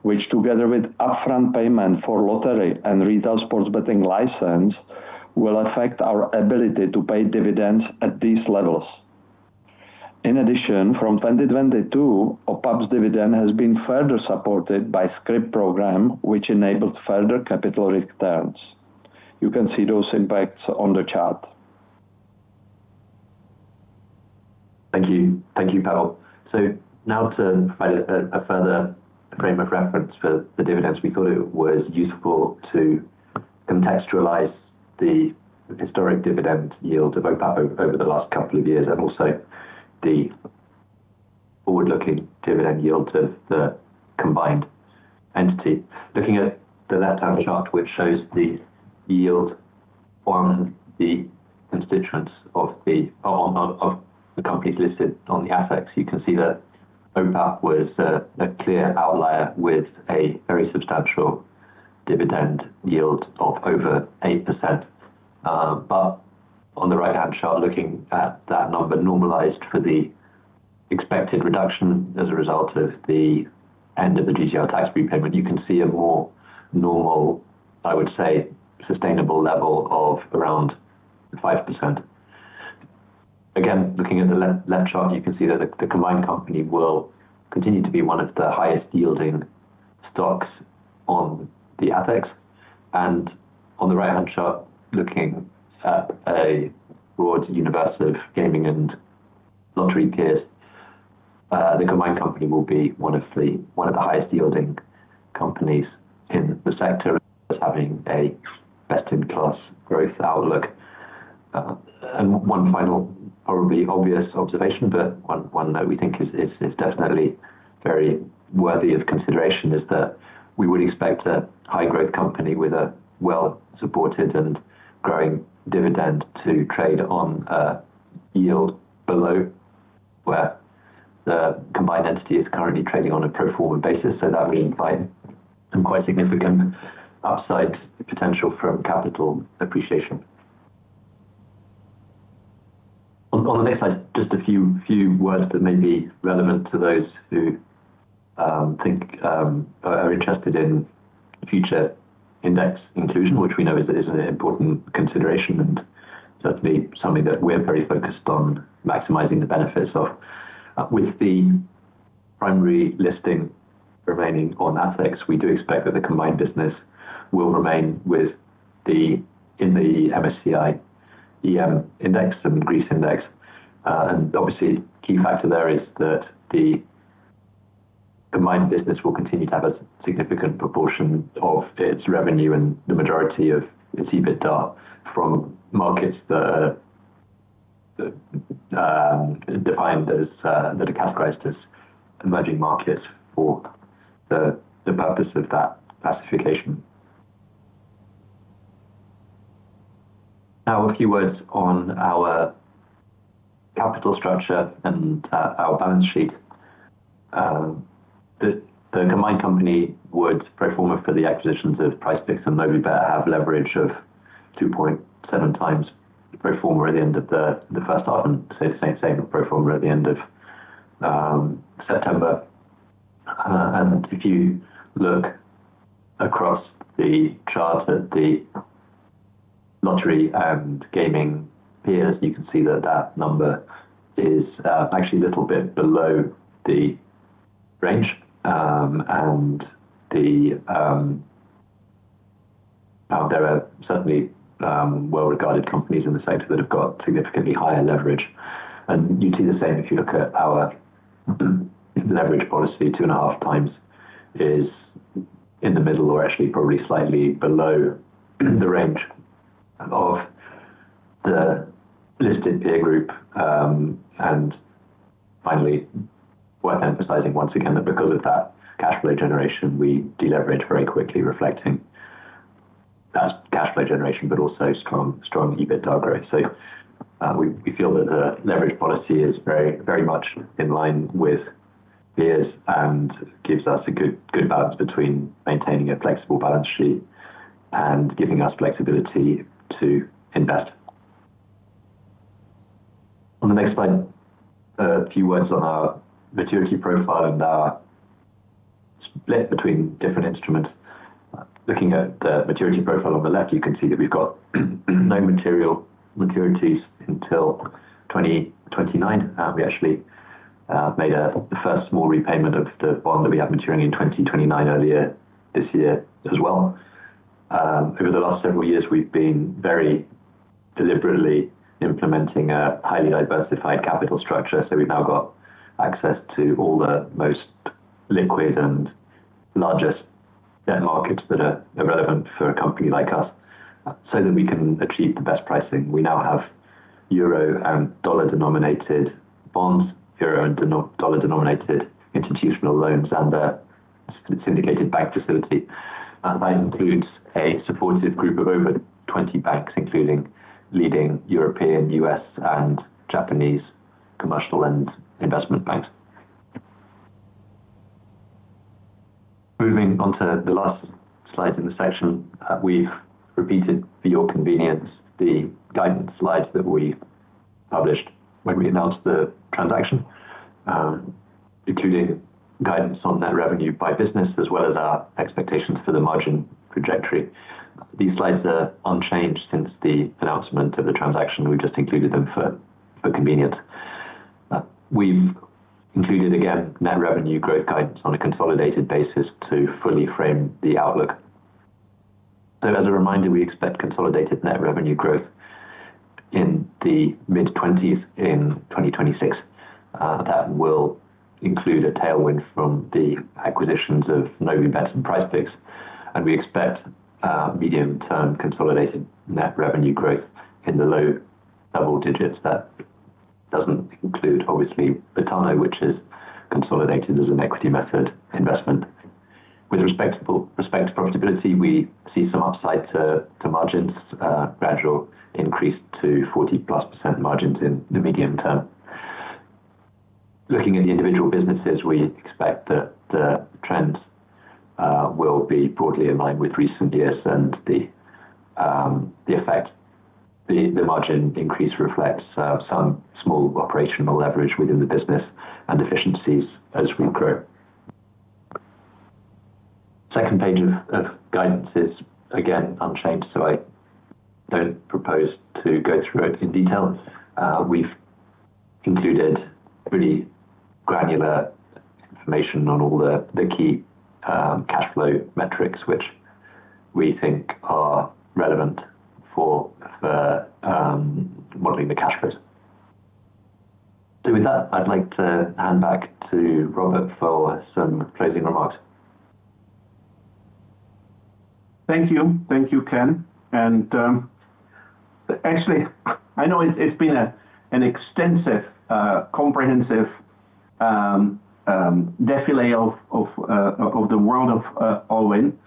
which, together with upfront payment for lottery and retail sports betting license, will affect our ability to pay dividends at these levels. In addition, from 2022, OPAP's dividend has been further supported by SCRIP program, which enabled further capital returns. You can see those impacts on the chart. Thank you. Thank you, Pavel. Now to provide a further frame of reference for the dividends, we thought it was useful to contextualize the historic dividend yield of OPAP over the last couple of years and also the forward-looking dividend yield of the combined entity. Looking at the left-hand chart, which shows the yield on the constituents of the companies listed on the ATEX, you can see that OPAP was a clear outlier with a very substantial dividend yield of over 8%. On the right-hand chart, looking at that number normalized for the expected reduction as a result of the end of the GGR tax repayment, you can see a more normal, I would say, sustainable level of around 5%. Again, looking at the left chart, you can see that the combined company will continue to be one of the highest-yielding stocks on the ATEX. On the right-hand chart, looking at a broad universe of gaming and lottery peers, the combined company will be one of the highest-yielding companies in the sector, having a best-in-class growth outlook. One final, probably obvious observation, but one that we think is definitely very worthy of consideration, is that we would expect a high-growth company with a well-supported and growing dividend to trade on a yield below where the combined entity is currently trading on a pro-forma basis. That would imply some quite significant upside potential from capital appreciation. On the next slide, just a few words that may be relevant to those who are interested in future index inclusion, which we know is an important consideration and certainly something that we are very focused on maximizing the benefits of. With the primary listing remaining on ATEX, we do expect that the combined business will remain in the MSCI EM Index and Greece Index. Obviously, a key factor there is that the combined business will continue to have a significant proportion of its revenue and the majority of its EBITDA from markets that are defined as that are categorized as emerging markets for the purpose of that classification. Now, a few words on our capital structure and our balance sheet. The combined company would pro-forma for the acquisitions of PrizePicks and Novibet have leverage of 2.7x pro-forma at the end of the first half and say the same pro-forma at the end of September. If you look across the chart at the lottery and gaming peers, you can see that that number is actually a little bit below the range. There are certainly well-regarded companies in the sector that have got significantly higher leverage. You'd see the same if you look at our leverage policy, two and a half times is in the middle or actually probably slightly below the range of the listed peer group. Finally, worth emphasizing once again that because of that cash flow generation, we deleverage very quickly, reflecting that cash flow generation, but also strong EBITDA growth. We feel that the leverage policy is very much in line with peers and gives us a good balance between maintaining a flexible balance sheet and giving us flexibility to invest. On the next slide, a few words on our maturity profile and our split between different instruments. Looking at the maturity profile on the left, you can see that we've got no material maturities until 2029. We actually made the first small repayment of the bond that we had maturing in 2029 earlier this year as well. Over the last several years, we've been very deliberately implementing a highly diversified capital structure. We now have access to all the most liquid and largest debt markets that are relevant for a company like us so that we can achieve the best pricing. We now have euro and dollar-denominated bonds, euro and dollar-denominated institutional loans, and a syndicated bank facility. That includes a supportive group of over 20 banks, including leading European, U.S., and Japanese commercial and investment banks. Moving on to the last slide in the section, we've repeated for your convenience the guidance slides that we published when we announced the transaction, including guidance on net revenue by business as well as our expectations for the margin trajectory. These slides are unchanged since the announcement of the transaction. We've just included them for convenience. We've included, again, net revenue growth guidance on a consolidated basis to fully frame the outlook. As a reminder, we expect consolidated net revenue growth in the mid-20s in 2026. That will include a tailwind from the acquisitions of Novibet and PrizePicks. We expect medium-term consolidated net revenue growth in the low double digits. That does not include, obviously, Betano, which is consolidated as an equity-method investment. With respect to profitability, we see some upside to margins, gradual increase to 40%+ margins in the medium term. Looking at the individual businesses, we expect that the trends will be broadly in line with recent years and the effect. The margin increase reflects some small operational leverage within the business and efficiencies as we grow. The second page of guidance is, again, unchanged, so I don't propose to go through it in detail. We've included really granular information on all the key cash flow metrics, which we think are relevant for modeling the cash flows. With that, I'd like to hand back to Robert for some closing remarks. Thank you. Thank you, Ken. Actually, I know it's been an extensive, comprehensive defilé Allwyn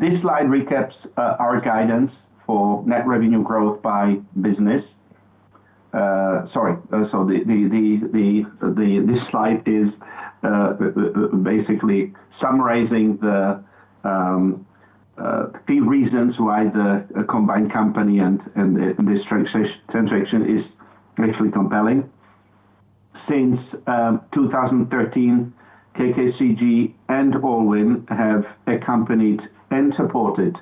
this slide recaps our guidance for net revenue growth by business. Sorry. This slide is basically summarizing the key reasons why the combined company and this transaction is actually compelling. Since 2013, KKCG and Allwyn have accompanied and supported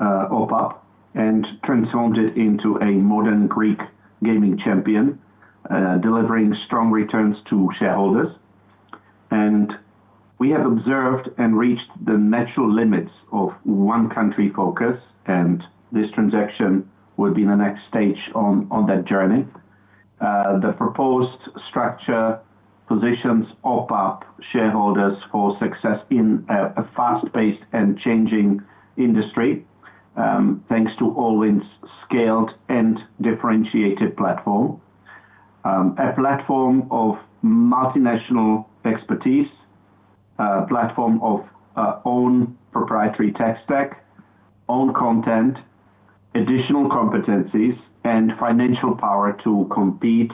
OPAP and transformed it into a modern Greek gaming champion, delivering strong returns to shareholders. We have observed and reached the natural limits of one-country focus, and this transaction would be the next stage on that journey. The proposed structure positions OPAP shareholders for success in a fast-paced and changing industry, thanks to Allwyn's scaled and differentiated platform. A platform of multinational expertise, a platform of own proprietary tech stack, own content, additional competencies, and financial power to compete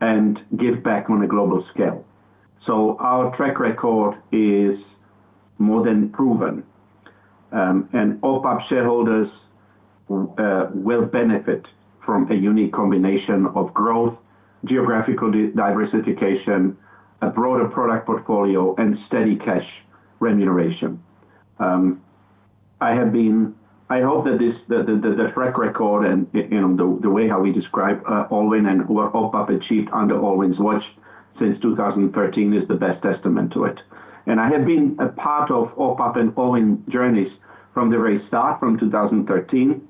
and give back on a global scale. Our track record is more than proven. OPAP shareholders will benefit from a unique combination of growth, geographical diversification, a broader product portfolio, and steady cash remuneration. I hope that the track record and the way how we describe Allwyn and what OPAP achieved under Allwyn's watch since 2013 is the best testament to it. I have been a part of OPAP and Allwyn journeys from the very start, from 2013.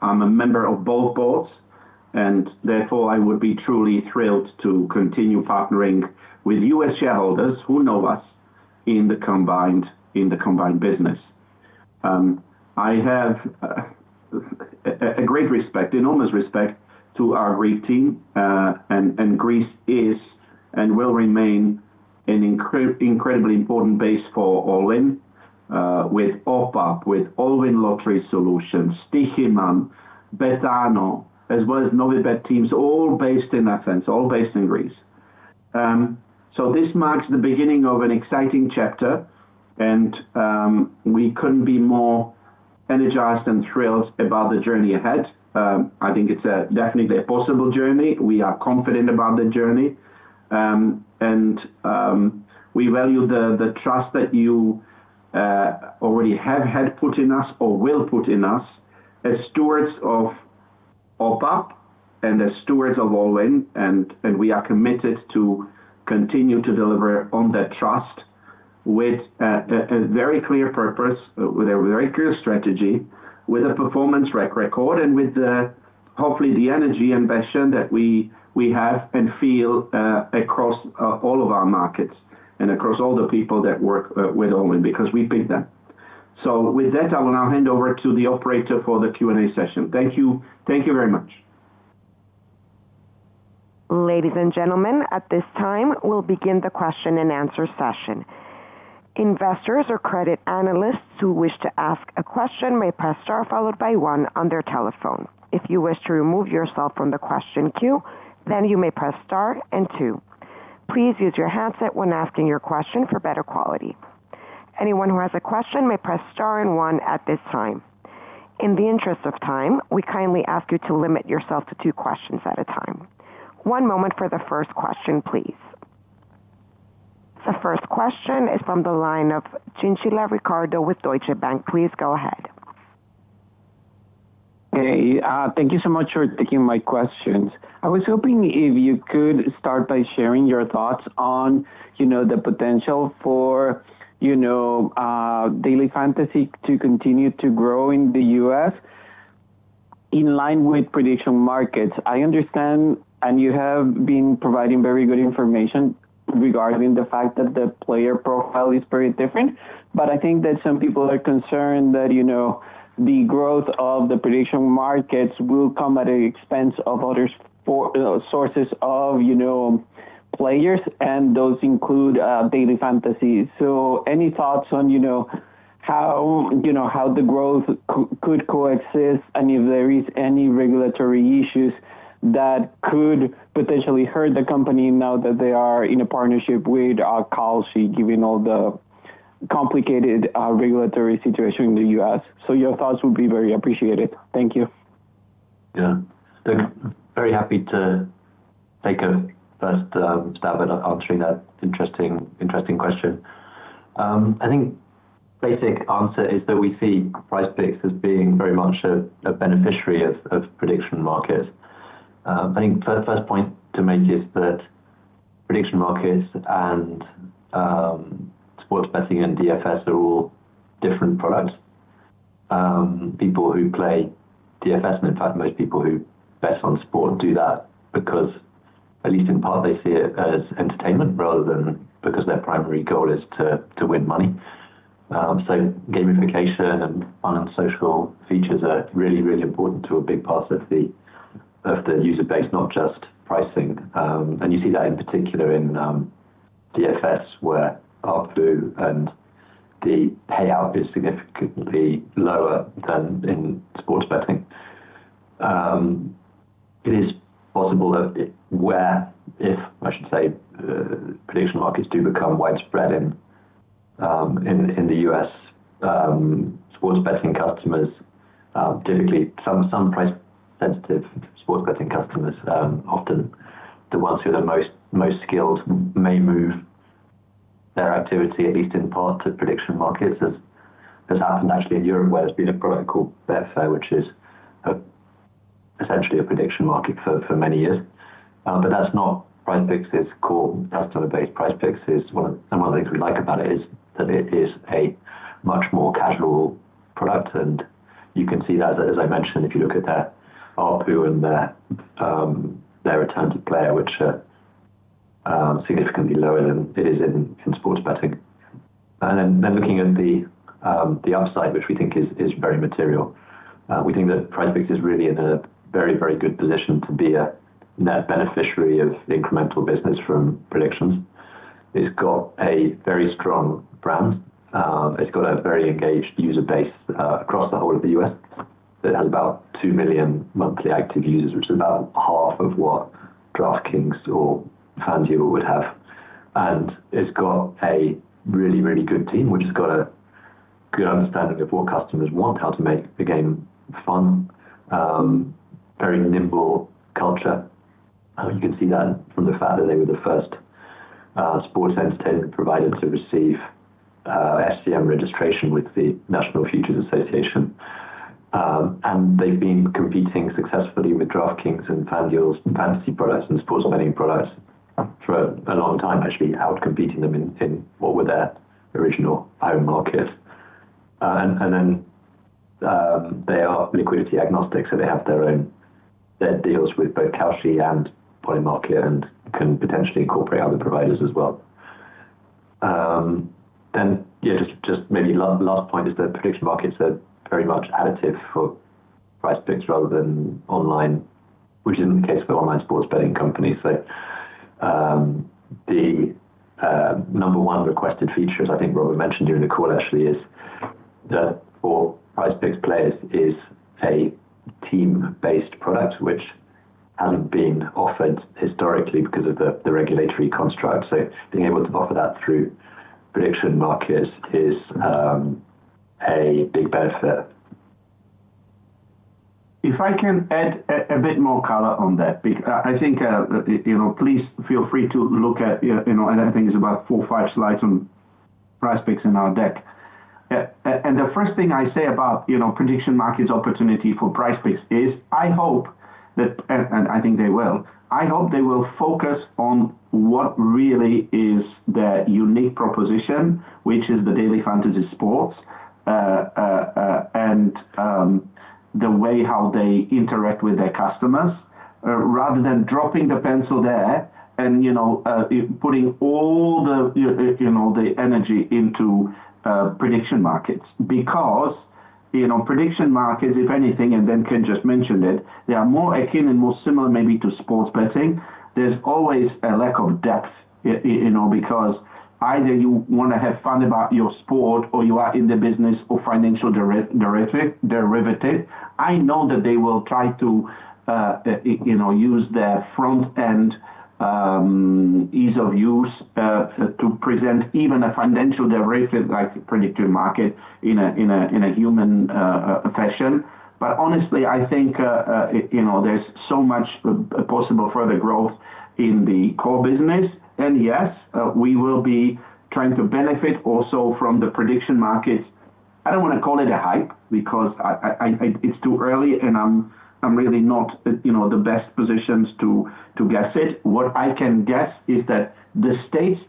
I'm a member of both Boards, and therefore, I would be truly thrilled to continue partnering with U.S. shareholders who know us in the combined business. I have enormous respect to our Greek team, and Greece is and will remain an incredibly important base for Allwyn, with OPAP, with Allwyn Lottery Solutions, Stoiximan, Betano, as well as Novibet teams, all based in Athens, all based in Greece. This marks the beginning of an exciting chapter, and we couldn't be more energized and thrilled about the journey ahead. I think it's definitely a possible journey. We are confident about the journey, and we value the trust that you already have put in us or will put in us as stewards of OPAP and as stewards of Allwyn. We are committed to continue to deliver on that trust with a very clear purpose, with a very clear strategy, with a performance record, and with, hopefully, the energy ambition that we have and feel across all of our markets and across all the Allwyn because we picked them. With that, I will now hand over to the operator for the Q&A session. Thank you very much. Ladies and gentlemen, at this time, we will begin the question-and-answer session. Investors or credit analysts who wish to ask a question may press star followed by one on their telephone. If you wish to remove yourself from the question queue, then you may press star and two. Please use your handset when asking your question for better quality. Anyone who has a question may press star and one at this time. In the interest of time, we kindly ask you to limit yourself to two questions at a time. One moment for the first question, please. The first question is from the line of Ricardo Chinchilla with Deutsche Bank. Please go ahead. Hey, thank you so much for taking my questions. I was hoping if you could start by sharing your thoughts on the potential for Daily Fantasy to continue to grow in the U.S. in line with prediction markets. I understand, and you have been providing very good information regarding the fact that the player profile is very different. I think that some people are concerned that the growth of the prediction markets will come at the expense of other sources of players, and those include Daily Fantasy. Any thoughts on how the growth could coexist and if there are any regulatory issues that could potentially hurt the company now that they are in a partnership with Kalshi given all the complicated regulatory situation in the U.S.? Your thoughts would be very appreciated. Thank you. Yeah. Very happy to take a first stab at answering that interesting question. I think the basic answer is that we see PrizePicks as being very much a beneficiary of prediction markets. I think the first point to make is that prediction markets and sports betting and DFS are all different products. People who play DFS, and in fact, most people who bet on sport do that because, at least in part, they see it as entertainment rather than because their primary goal is to win money. Gamification and online social features are really, really important to a big part of the user base, not just pricing. You see that in particular in DFS, where RFU and the payout is significantly lower than in sports betting. It is possible that, if prediction markets do become widespread in the U.S., sports betting customers, typically some price-sensitive sports betting customers, often the ones who are the most skilled, may move their activity, at least in part, to prediction markets, as has happened actually in Europe, where there's been a product called Betfair, which is essentially a prediction market for many years. That's not PrizePicks's core customer base. PrizePicks, and one of the things we like about it, is that it is a much more casual product. You can see that, as I mentioned, if you look at their RFU and their return to player, which are significantly lower than it is in sports betting. Looking at the upside, which we think is very material, we think that PrizePicks is really in a very, very good position to be a net beneficiary of incremental business from predictions. It has a very strong brand. It has a very engaged user base across the whole of the U.S. It has about 2 million monthly active users, which is about half of what DraftKings or FanDuel would have. It has a really, really good team, which has a good understanding of what customers want, how to make the game fun, very nimble culture. You can see that from the fact that they were the first sports entertainment provider to receive SGM registration with the National Futures Association. They have been competing successfully with DraftKings and FanDuel's fantasy products and sports betting products for a long time, actually outcompeting them in what were their original home market. They are liquidity agnostic, so they have their own deals with both Kalshi and Polymarket and can potentially incorporate other providers as well. Just maybe last point is that prediction markets are very much additive for PrizePicks rather than online, which isn't the case for online sports betting companies. The number one requested feature, as I think Robert mentioned during the call, actually, is that for PrizePicks players, it is a team-based product, which hasn't been offered historically because of the regulatory construct. Being able to offer that through prediction markets is a big benefit. If I can add a bit more color on that, I think please feel free to look at, I think it is about four or five slides on PrizePicks in our deck. The first thing I say about prediction markets' opportunity for PrizePicks is, I hope that, and I think they will, I hope they will focus on what really is their unique proposition, which is the Daily Fantasy Sports and the way how they interact with their customers, rather than dropping the pencil there and putting all the energy into prediction markets. Because prediction markets, if anything, and Ben can just mention it, they are more akin and more similar maybe to sports betting. There's always a lack of depth because either you want to have fun about your sport or you are in the business of financial derivative. I know that they will try to use their front-end ease of use to present even a financial derivative-like predictive market in a human fashion. Honestly, I think there's so much possible further growth in the core business. Yes, we will be trying to benefit also from the prediction markets. I don't want to call it a hype because it's too early, and I'm really not in the best positions to guess it. What I can guess is that the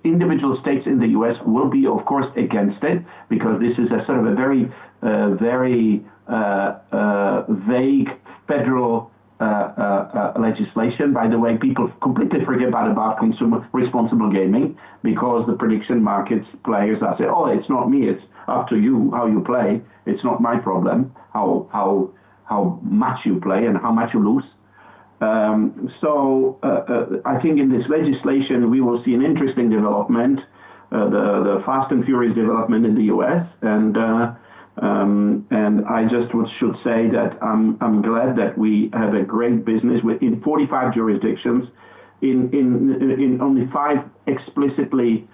individual states in the U.S. will be, of course, against it because this is a sort of a very vague federal legislation. By the way, people completely forget about consumer responsible gaming because the prediction markets players are saying, "Oh, it's not me. It's up to you how you play. It's not my problem how much you play and how much you lose." I think in this legislation, we will see an interesting development, the fast and furious development in the U.S. I just should say that I'm glad that we have a great business in 45 jurisdictions, and only five explicitly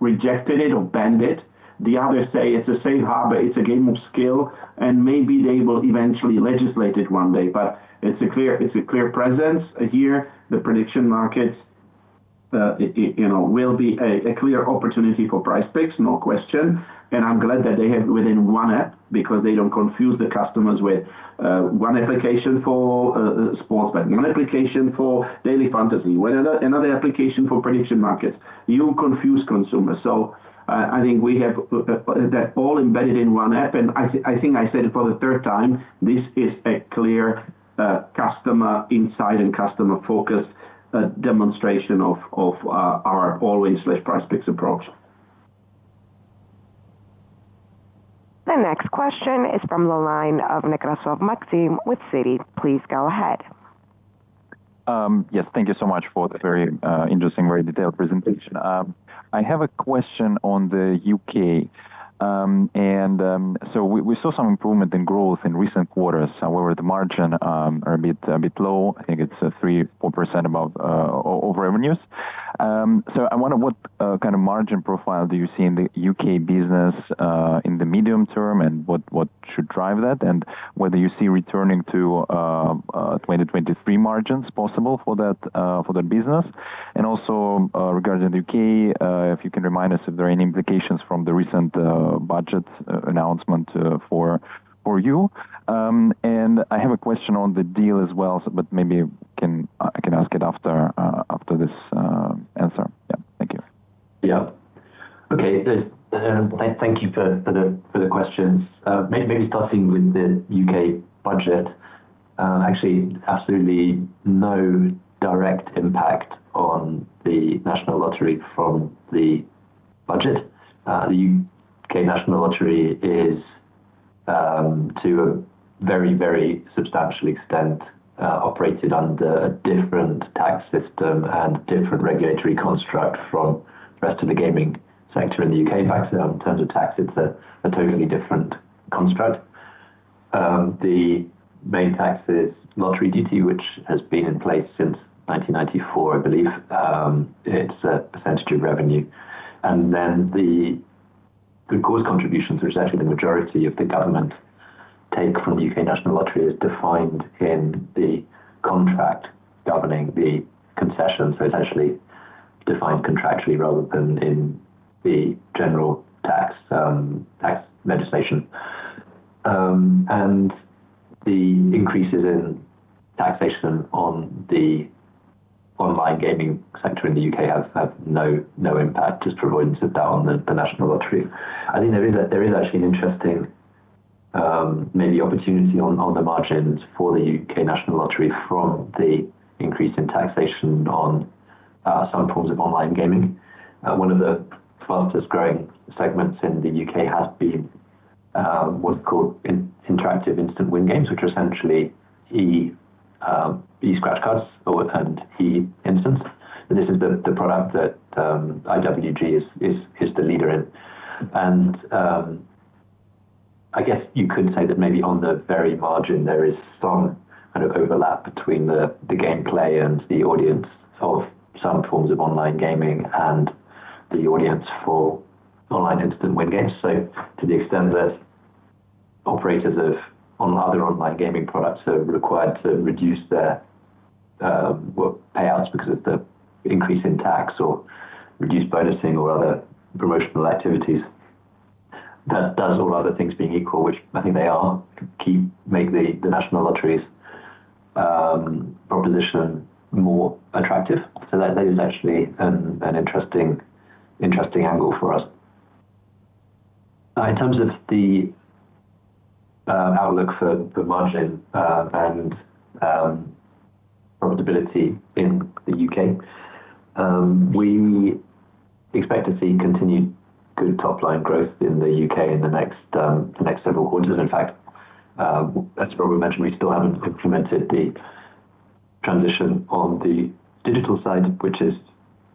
rejected it or banned it. The others say it's a safe harbor, it's a game of skill, and maybe they will eventually legislate it one day. It's a clear presence here. The prediction markets will be a clear opportunity for PrizePicks, no question. I'm glad that they have it within one app because they don't confuse the customers with one application for sports, one application for Daily Fantasy, another application for prediction markets. You confuse consumers. I think we have that all embedded in one app. I think I said it for the third time, this is a clear customer insight and customer-focused demonstration of our Allwyn/PrizePicks approach. The next question is from the line of Maxim Nekrasov with Citigroup. Please go ahead. Yes. Thank you so much for the very interesting, very detailed presentation. I have a question on the U.K. We saw some improvement in growth in recent quarters. However, the margins are a bit low. I think it's 3%-4% above revenues. I wonder what kind of margin profile you see in the U.K. business in the medium term and what should drive that, and whether you see returning to 2023 margins possible for that business. Also regarding the U.K., if you can remind us if there are any implications from the recent budget announcement for you. I have a question on the deal as well, but maybe I can ask it after this answer. Yeah. Thank you. Yeah. Okay. Thank you for the questions. Maybe starting with the U.K. budget. Actually, absolutely no direct impact on the National Lottery from the budget. The U.K. National Lottery is, to a very, very substantial extent, operated under a different tax system and different regulatory construct from the rest of the gaming sector in the U.K. In terms of tax, it's a totally different construct. The main tax is lottery duty, which has been in place since 1994, I believe. It's a percentage of revenue. The good cause contributions, which is actually the majority of the government take from the U.K. National Lottery, is defined in the contract governing the concession. Essentially defined contractually rather than in the general tax legislation. The increases in taxation on the online gaming sector in the U.K. have no impact, just for avoidance of doubt, on the National Lottery. I think there is actually an interesting maybe opportunity on the margins for the U.K. National Lottery from the increase in taxation on some forms of online gaming. One of the fastest-growing segments in the U.K. has been what's called interactive instant win games, which are essentially e-scratch cards and e-instants. This is the product that IWG is the leader in. I guess you could say that maybe on the very margin, there is some kind of overlap between the gameplay and the audience of some forms of online gaming and the audience for online instant win games. To the extent that operators of other online gaming products are required to reduce their payouts because of the increase in tax or reduce bonusing or other promotional activities, that does, all other things being equal, which I think they are, make the National Lottery's proposition more attractive. That is actually an interesting angle for us. In terms of the outlook for margin and profitability in the U.K., we expect to see continued good top-line growth in the U.K. in the next several quarters. In fact, as Robert mentioned, we still have not implemented the transition on the digital side, which is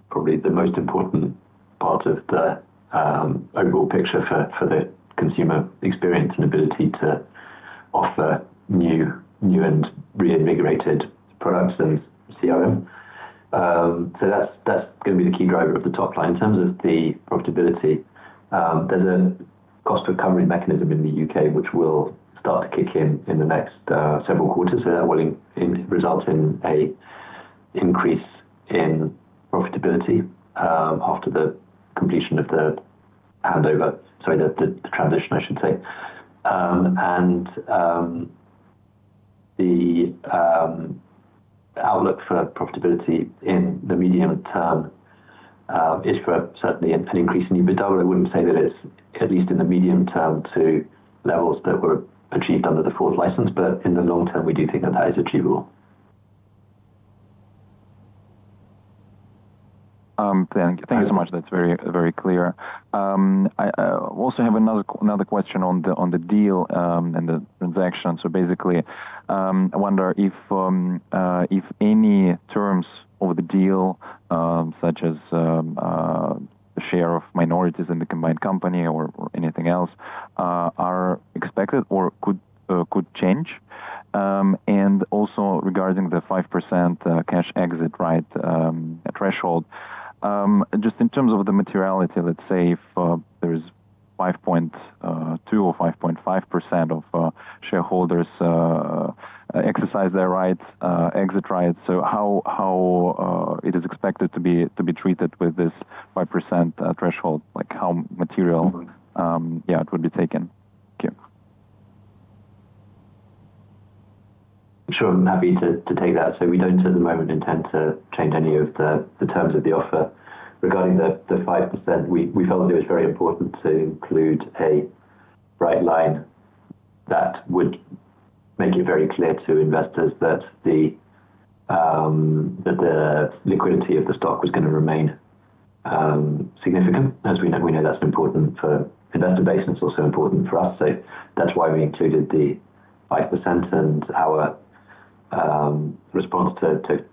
probably the most important part of the overall picture for the consumer experience and ability to offer new and reinvigorated products and CRM. That is going to be the key driver of the top line. In terms of the profitability, there's a cost recovery mechanism in the U.K., which will start to kick in in the next several quarters. That will result in an increase in profitability after the completion of the handover—sorry, the transition, I should say. The outlook for profitability in the medium term is for certainly an increase in EBITDA. I wouldn't say that it's, at least in the medium term, to levels that were achieved under the former license. In the long term, we do think that that is achievable. Thank you so much. That's very clear. I also have another question on the deal and the transaction. I wonder if any terms of the deal, such as the share of minorities in the combined company or anything else, are expected or could change. Also regarding the 5% cash exit right threshold, just in terms of the materiality, let's say if there is 5.2% or 5.5% of shareholders exercise their exit rights, how is it expected to be treated with this 5% threshold, how material, yeah, it would be taken. Thank you. Sure. I'm happy to take that. We do not, at the moment, intend to change any of the terms of the offer. Regarding the 5%, we felt it was very important to include a bright line that would make it very clear to investors that the liquidity of the stock was going to remain significant. As we know, that's important for investor base. It's also important for us. That is why we included the 5%. Our response to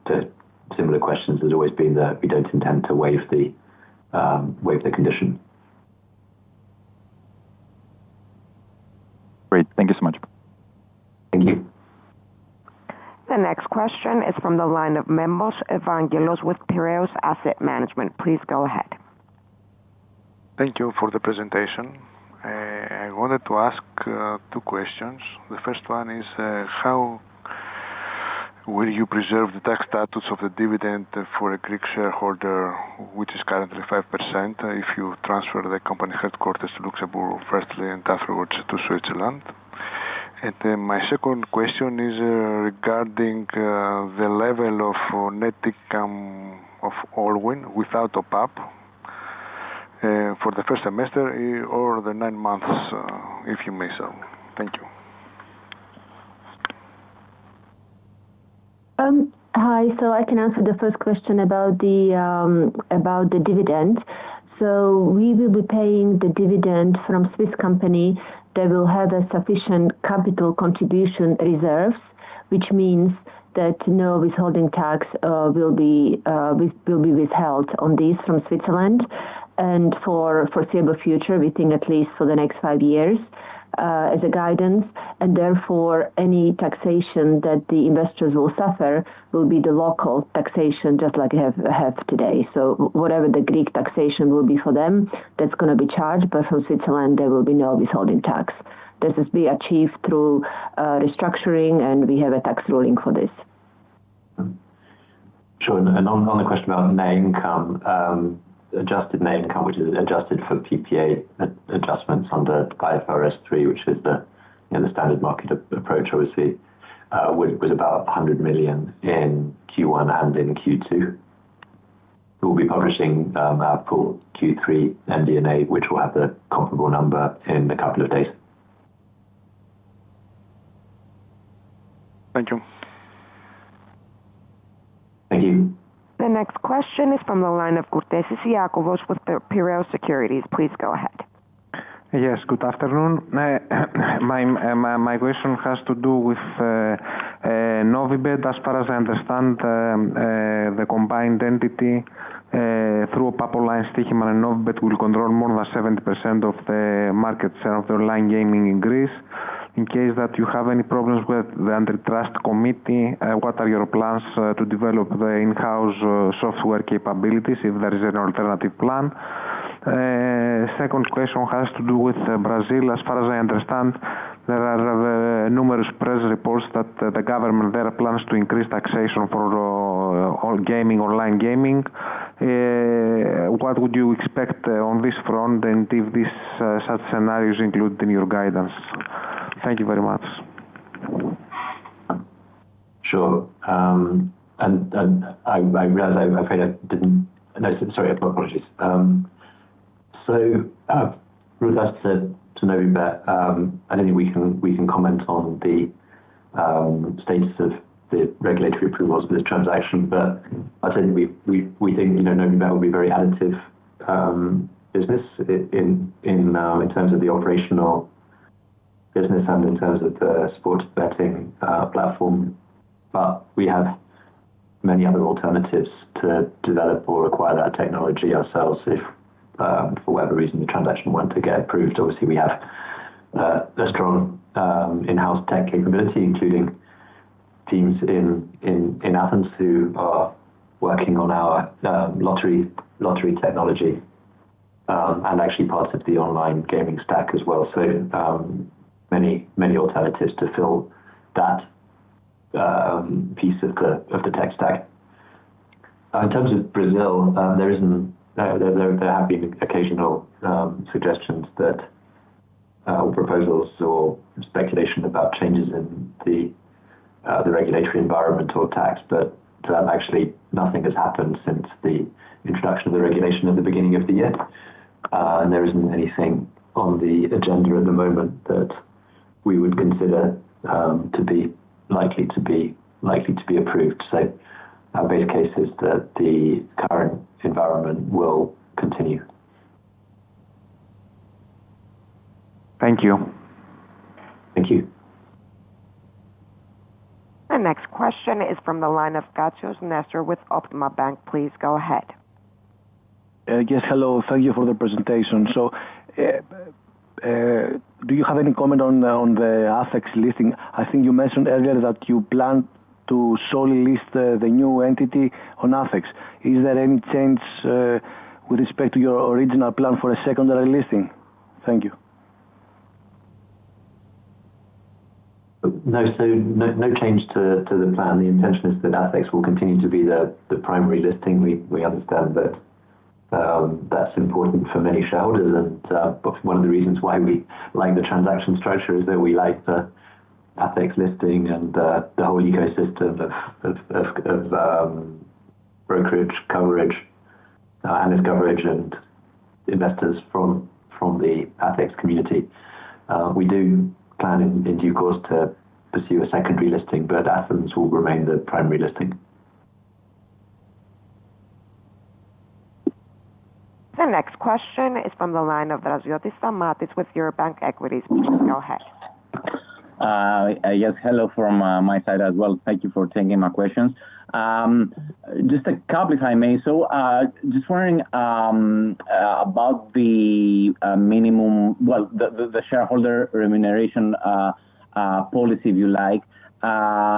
similar questions has always been that we do not intend to waive the condition. Great. Thank you so much. Thank you. The next question is from the line of Memos Evangelos with Piraeus Asset Management. Please go ahead. Thank you for the presentation. I wanted to ask two questions. The first one is, how will you preserve the tax status of the dividend for a Greek shareholder, which is currently 5%, if you transfer the company headquarters to Luxembourg firstly and afterwards to Switzerland? Then my second question is regarding the level Allwyn without opap for the first semester or the nine months, if you may. Thank you. Hi. I can answer the first question about the dividend. We will be paying the dividend from Swiss company that will have sufficient capital contribution reserves, which means that no withholding tax will be withheld on this from Switzerland. For foreseeable future, we think at least for the next five years as a guidance. Therefore, any taxation that the investors will suffer will be the local taxation, just like we have today. Whatever the Greek taxation will be for them, that is going to be charged. From Switzerland, there will be no withholding tax. This is being achieved through restructuring, and we have a tax ruling for this. Sure. On the question about net income, adjusted net income, which is adjusted for PPA adjustments under IFRS 3, which is the standard market approach, obviously, was about 100 million in Q1 and in Q2. We will be publishing our full Q3 MD&A, which will have the comparable number in a couple of days. Thank you. Thank you. The next question is from the line of Iakovos Kourtesis with Piraeus Securities. Please go ahead. Yes. Good afternoon. My question has to do with Novibet. As far as I understand, the combined entity through a PAPO line scheme and Novibet will control more than 70% of the market share of the online gaming in Greece. In case that you have any problems with the antitrust committee, what are your plans to develop the in-house software capabilities if there is an alternative plan? Second question has to do with Brazil. As far as I understand, there are numerous press reports that the government there plans to increase taxation for gaming, online gaming. What would you expect on this front and if such scenarios are included in your guidance? Thank you very much. Sure. I realize I failed to—sorry, apologies. With regards to Novibet, I do not think we can comment on the status of the regulatory approvals for this transaction. I think we think Novibet will be a very additive business in terms of the operational business and in terms of the sports betting platform. We have many other alternatives to develop or acquire that technology ourselves if, for whatever reason, the transaction wanted to get approved. Obviously, we have a strong in-house tech capability, including teams in Athens who are working on our lottery technology and actually parts of the online gaming stack as well. Many alternatives to fill that piece of the tech stack. In terms of Brazil, there have been occasional suggestions or proposals or speculation about changes in the regulatory environment or tax. Actually, nothing has happened since the introduction of the regulation at the beginning of the year. There isn't anything on the agenda at the moment that we would consider to be likely to be approved. Our base case is that the current environment will continue. Thank you. Thank you. The next question is from the line of Katsios Nestor with Optima Bank. Please go ahead. Yes. Hello. Thank you for the presentation. Do you have any comment on the ATHEX listing? I think you mentioned earlier that you plan to solely list the new entity on ATHEX. Is there any change with respect to your original plan for a secondary listing? Thank you. No. No change to the plan. The intention is that ATHEX will continue to be the primary listing. We understand that is important for many shareholders. One of the reasons why we like the transaction structure is that we like the ATHEX listing and the whole ecosystem of brokerage coverage and its coverage and investors from the ATHEX community. We do plan in due course to pursue a secondary listing, but Athens will remain the primary listing. The next question is from the line of Stamatios Draziotis with Eurobank Equities. Please go ahead. Yes. Hello from my side as well. Thank you for taking my questions. Just a couple, if I may. Just wondering about the minimum—well, the shareholder remuneration policy, if you like.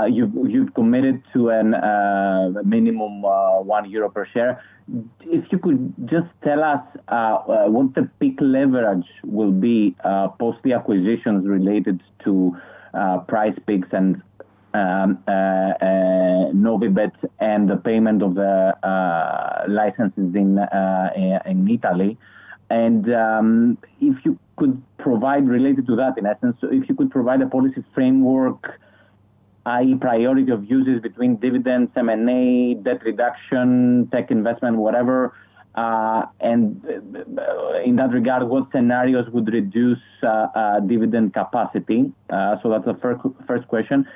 You've committed to a minimum of 1 euro per share. If you could just tell us what the peak leverage will be post the acquisitions related to PrizePicks and Novibet and the payment of the licenses in Italy. If you could provide related to that, in essence, if you could provide a policy framework, i.e., priority of uses between dividends, M&A, debt reduction, tech investment, whatever. In that regard, what scenarios would reduce dividend capacity? That is the first question.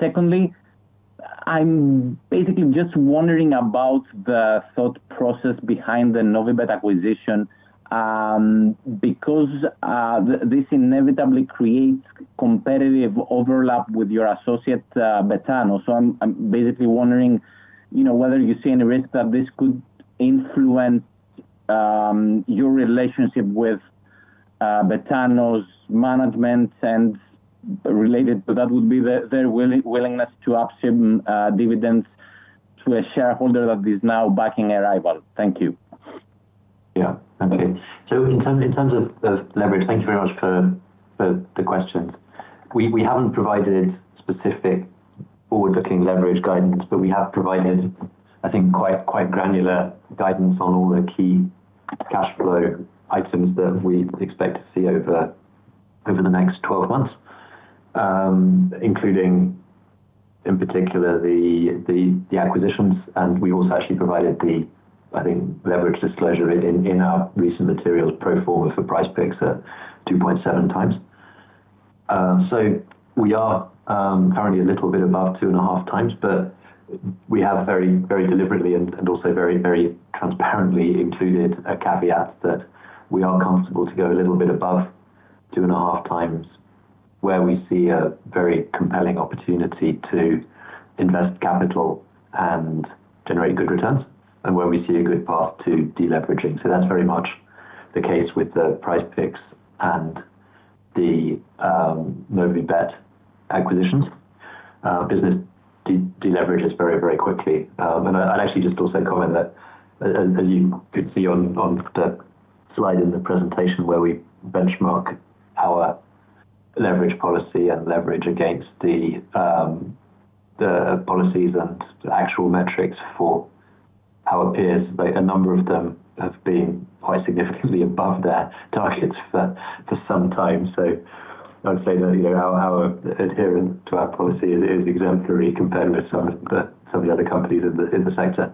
Secondly, I'm basically just wondering about the thought process behind the Novibet acquisition because this inevitably creates competitive overlap with your associate, Betano. I'm basically wondering whether you see any risk that this could influence your relationship with Betano's management and related to that would be their willingness to upsum dividends to a shareholder that is now backing a rival. Thank you. Yeah. Okay. In terms of leverage, thank you very much for the questions. We have not provided specific forward-looking leverage guidance, but we have provided, I think, quite granular guidance on all the key cash flow items that we expect to see over the next 12 months, including, in particular, the acquisitions. We also actually provided the, I think, leverage disclosure in our recent material pro forma for PrizePicks at 2.7x. We are currently a little bit above 2.5x, but we have very deliberately and also very transparently included a caveat that we are comfortable to go a little bit above 2.5x where we see a very compelling opportunity to invest capital and generate good returns and where we see a good path to deleveraging. That is very much the case with the PrizePicks and the Novibet acquisitions. Business deleverages very, very quickly. I would actually just also comment that, as you could see on the slide in the presentation where we benchmark our leverage policy and leverage against the policies and actual metrics for our peers, a number of them have been quite significantly above their targets for some time. I would say that our adherence to our policy is exemplary compared with some of the other companies in the sector.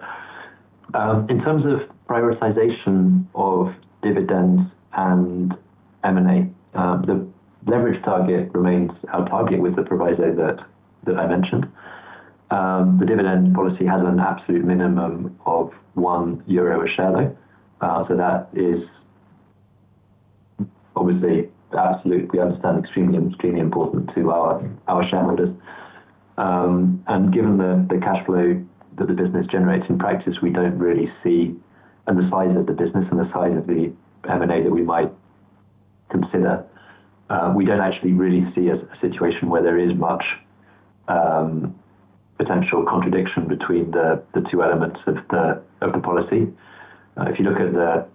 In terms of prioritization of dividends and M&A, the leverage target remains our target with the proviso that I mentioned. The dividend policy has an absolute minimum of 1 euro a share, though. That is obviously absolute. We understand extremely important to our shareholders. Given the cash flow that the business generates in practice, we do not really see the size of the business and the size of the M&A that we might consider. We do not actually really see a situation where there is much potential contradiction between the two elements of the policy. If you look at the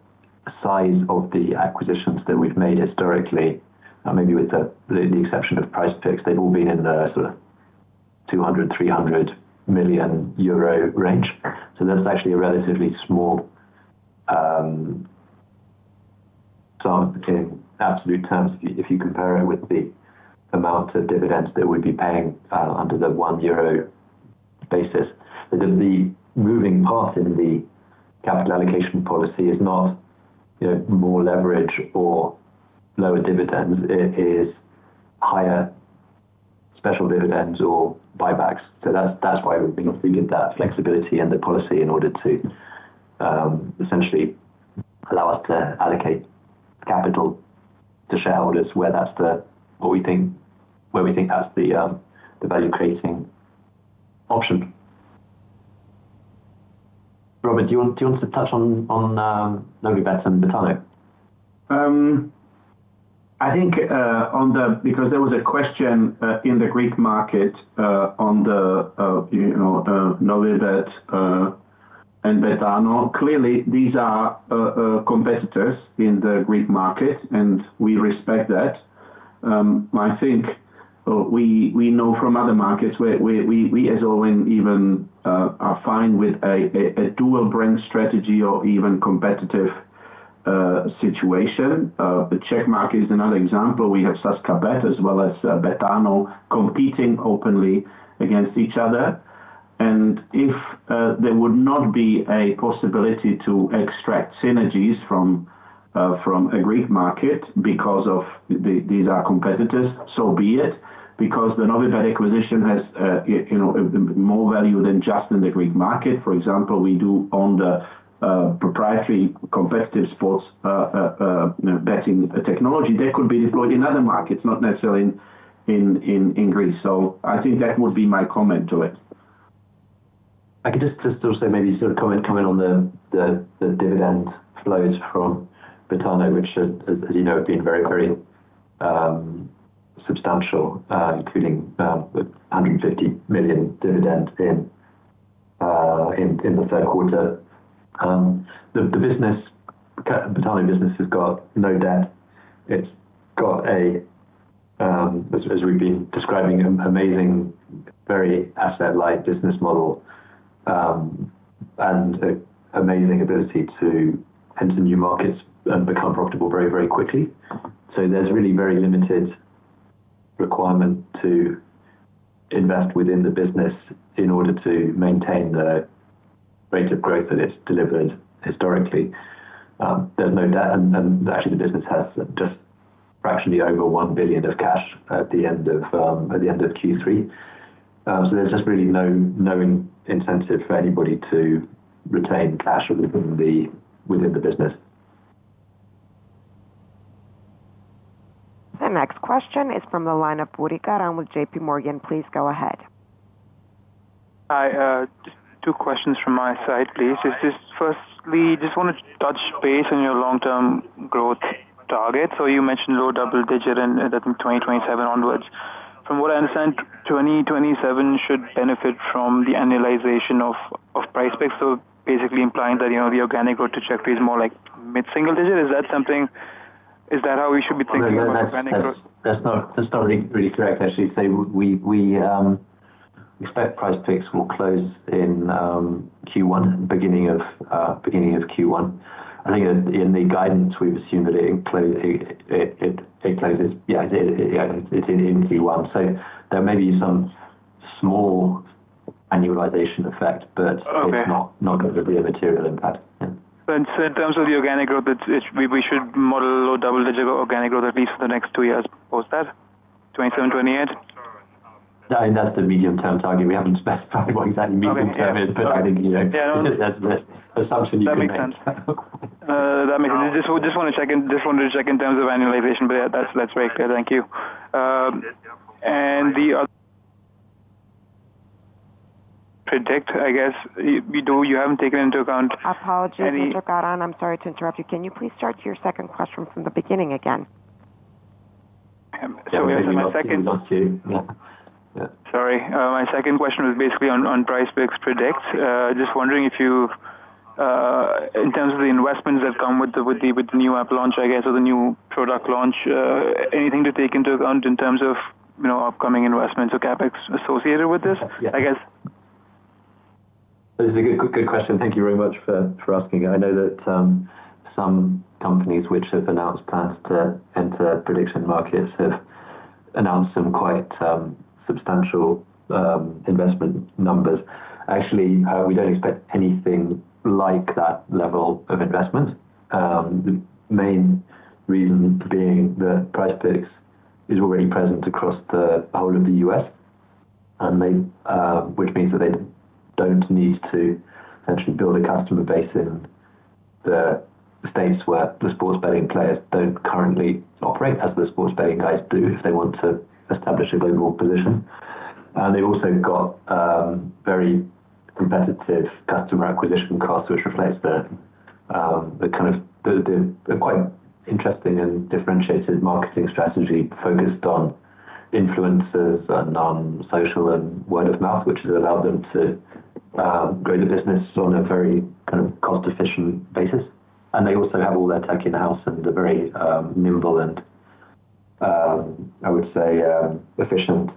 size of the acquisitions that we have made historically, maybe with the exception of PrizePicks, they have all been in the sort of 200-300 million euro range. That is actually a relatively small sum in absolute terms. If you compare it with the amount of dividends that we'd be paying under the 1 euro basis, the moving part in the capital allocation policy is not more leverage or lower dividends. It is higher special dividends or buybacks. That is why we've been looking at that flexibility and the policy in order to essentially allow us to allocate capital to shareholders where that is the—where we think that is the value-creating option. Robert, do you want to touch on Novibet and Betano? I think because there was a question in the Greek market on Novibet and Betano, clearly, these are competitors in the Greek market, and we respect that. I think we know from other markets where we, as Allwyn, even are fine with a dual-brand strategy or even competitive situation. The Czech market is another example. We have Sazkabet as well as Betano competing openly against each other. If there would not be a possibility to extract synergies from a Greek market because these are competitors, so be it, because the Novibet acquisition has more value than just in the Greek market. For example, we do own the proprietary competitive sports betting technology that could be deployed in other markets, not necessarily in Greece. I think that would be my comment to it. I can just also say maybe a sort of comment coming on the dividend flows from Betano, which, as you know, have been very, very substantial, including 150 million dividend in the third quarter. The Betano business has got no debt. It has got a, as we have been describing, amazing, very asset-light business model and amazing ability to enter new markets and become profitable very, very quickly. There is really very limited requirement to invest within the business in order to maintain the rate of growth that it has delivered historically. There is no debt. Actually, the business has just fractionally over 1 billion of cash at the end of Q3. There is just really no incentive for anybody to retain cash within the business. The next question is from the line of Buricaran with JPMorgan. Please go ahead. Two questions from my side, please. Firstly, I just want to touch base on your long-term growth targets. You mentioned low double digit in 2027 onwards. From what I understand, 2027 should benefit from the annualization of PrizePicks. Basically implying that the organic growth trajectory is more like mid-single digit. Is that something—is that how we should be thinking about organic growth? That is not really correct, actually. We expect PrizePicks will close in Q1, beginning of Q1. I think in the guidance, we've assumed that it closes in Q1. There may be some small annualization effect, but it's not going to be a material impact. In terms of the organic growth, we should model low double-digit organic growth at least for the next two years post that, 2027, 2028? No, that's the medium-term target. We haven't specified what exactly medium-term is, but I think that's the assumption you can make. That makes sense. That makes sense. I just want to check in terms of annualization, but that's very clear. Thank you. The—predict, I guess. You haven't taken into account— Apologies. Mr. Caron, I'm sorry to interrupt you. Can you please start your second question from the beginning again? Sorry. My second— Sorry. My second question was basically on PrizePicks Predict. Just wondering if you—in terms of the investments that come with the new app launch, I guess, or the new product launch, anything to take into account in terms of upcoming investments or CapEx associated with this, I guess? This is a good question. Thank you very much for asking. I know that some companies which have announced plans to enter prediction markets have announced some quite substantial investment numbers. Actually, we do not expect anything like that level of investment. The main reason being that PrizePicks is already present across the whole of the U.S., which means that they do not need to essentially build a customer base in the states where the sports betting players do not currently operate, as the sports betting guys do, if they want to establish a global position. They've also got very competitive customer acquisition costs, which reflects the kind of quite interesting and differentiated marketing strategy focused on influencers and on social and word of mouth, which has allowed them to grow the business on a very kind of cost-efficient basis. They also have all their tech in-house and the very nimble and, I would say, efficient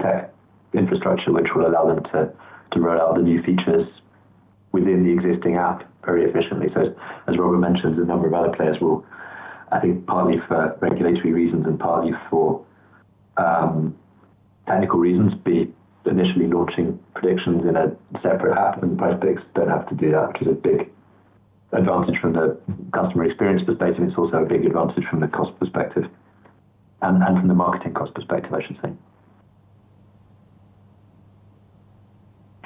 tech infrastructure, which will allow them to roll out the new features within the existing app very efficiently. As Robert mentioned, a number of other players will, I think, partly for regulatory reasons and partly for technical reasons, be initially launching predictions in a separate app, and PrizePicks do not have to do that, which is a big advantage from the customer experience perspective. It's also a big advantage from the cost perspective and from the marketing cost perspective, I should say.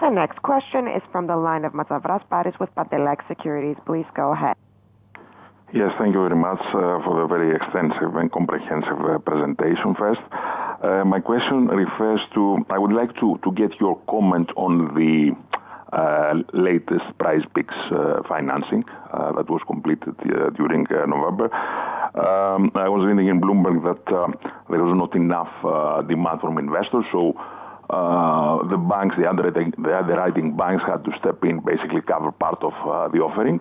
The next question is from the line of Matavras Baris with Patelec Securities. Please go ahead. Yes. Thank you very much for the very extensive and comprehensive presentation first. My question refers to—I would like to get your comment on the latest PrizePicks financing that was completed during November. I was reading in Bloomberg that there was not enough demand from investors, so the underwriting banks had to step in, basically cover part of the offering.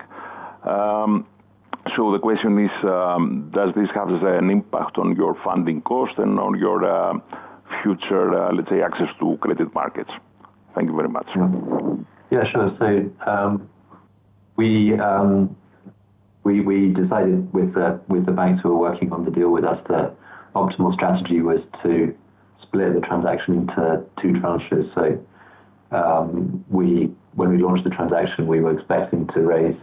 The question is, does this have an impact on your funding cost and on your future, let's say, access to credit markets? Thank you very much. Yeah. Sure. We decided with the banks who were working on the deal with us that the optimal strategy was to split the transaction into two tranches. When we launched the transaction, we were expecting to raise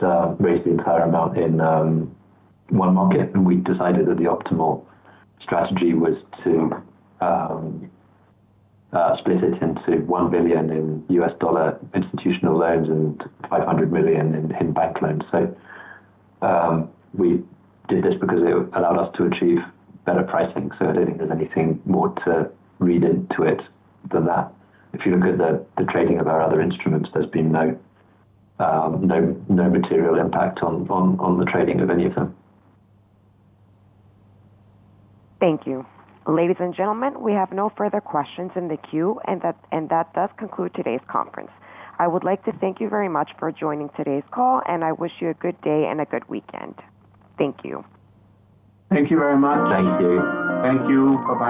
the entire amount in one market, and we decided that the optimal strategy was to split it into $1 billion in U.S. dollar institutional loans and 500 million in bank loans. We did this because it allowed us to achieve better pricing. I do not think there is anything more to read into it than that. If you look at the trading of our other instruments, there has been no material impact on the trading of any of them. Thank you. Ladies and gentlemen, we have no further questions in the queue, and that does conclude today's conference. I would like to thank you very much for joining today's call, and I wish you a good day and a good weekend. Thank you. Thank you very much. Thank you. Thank you. Bye-bye.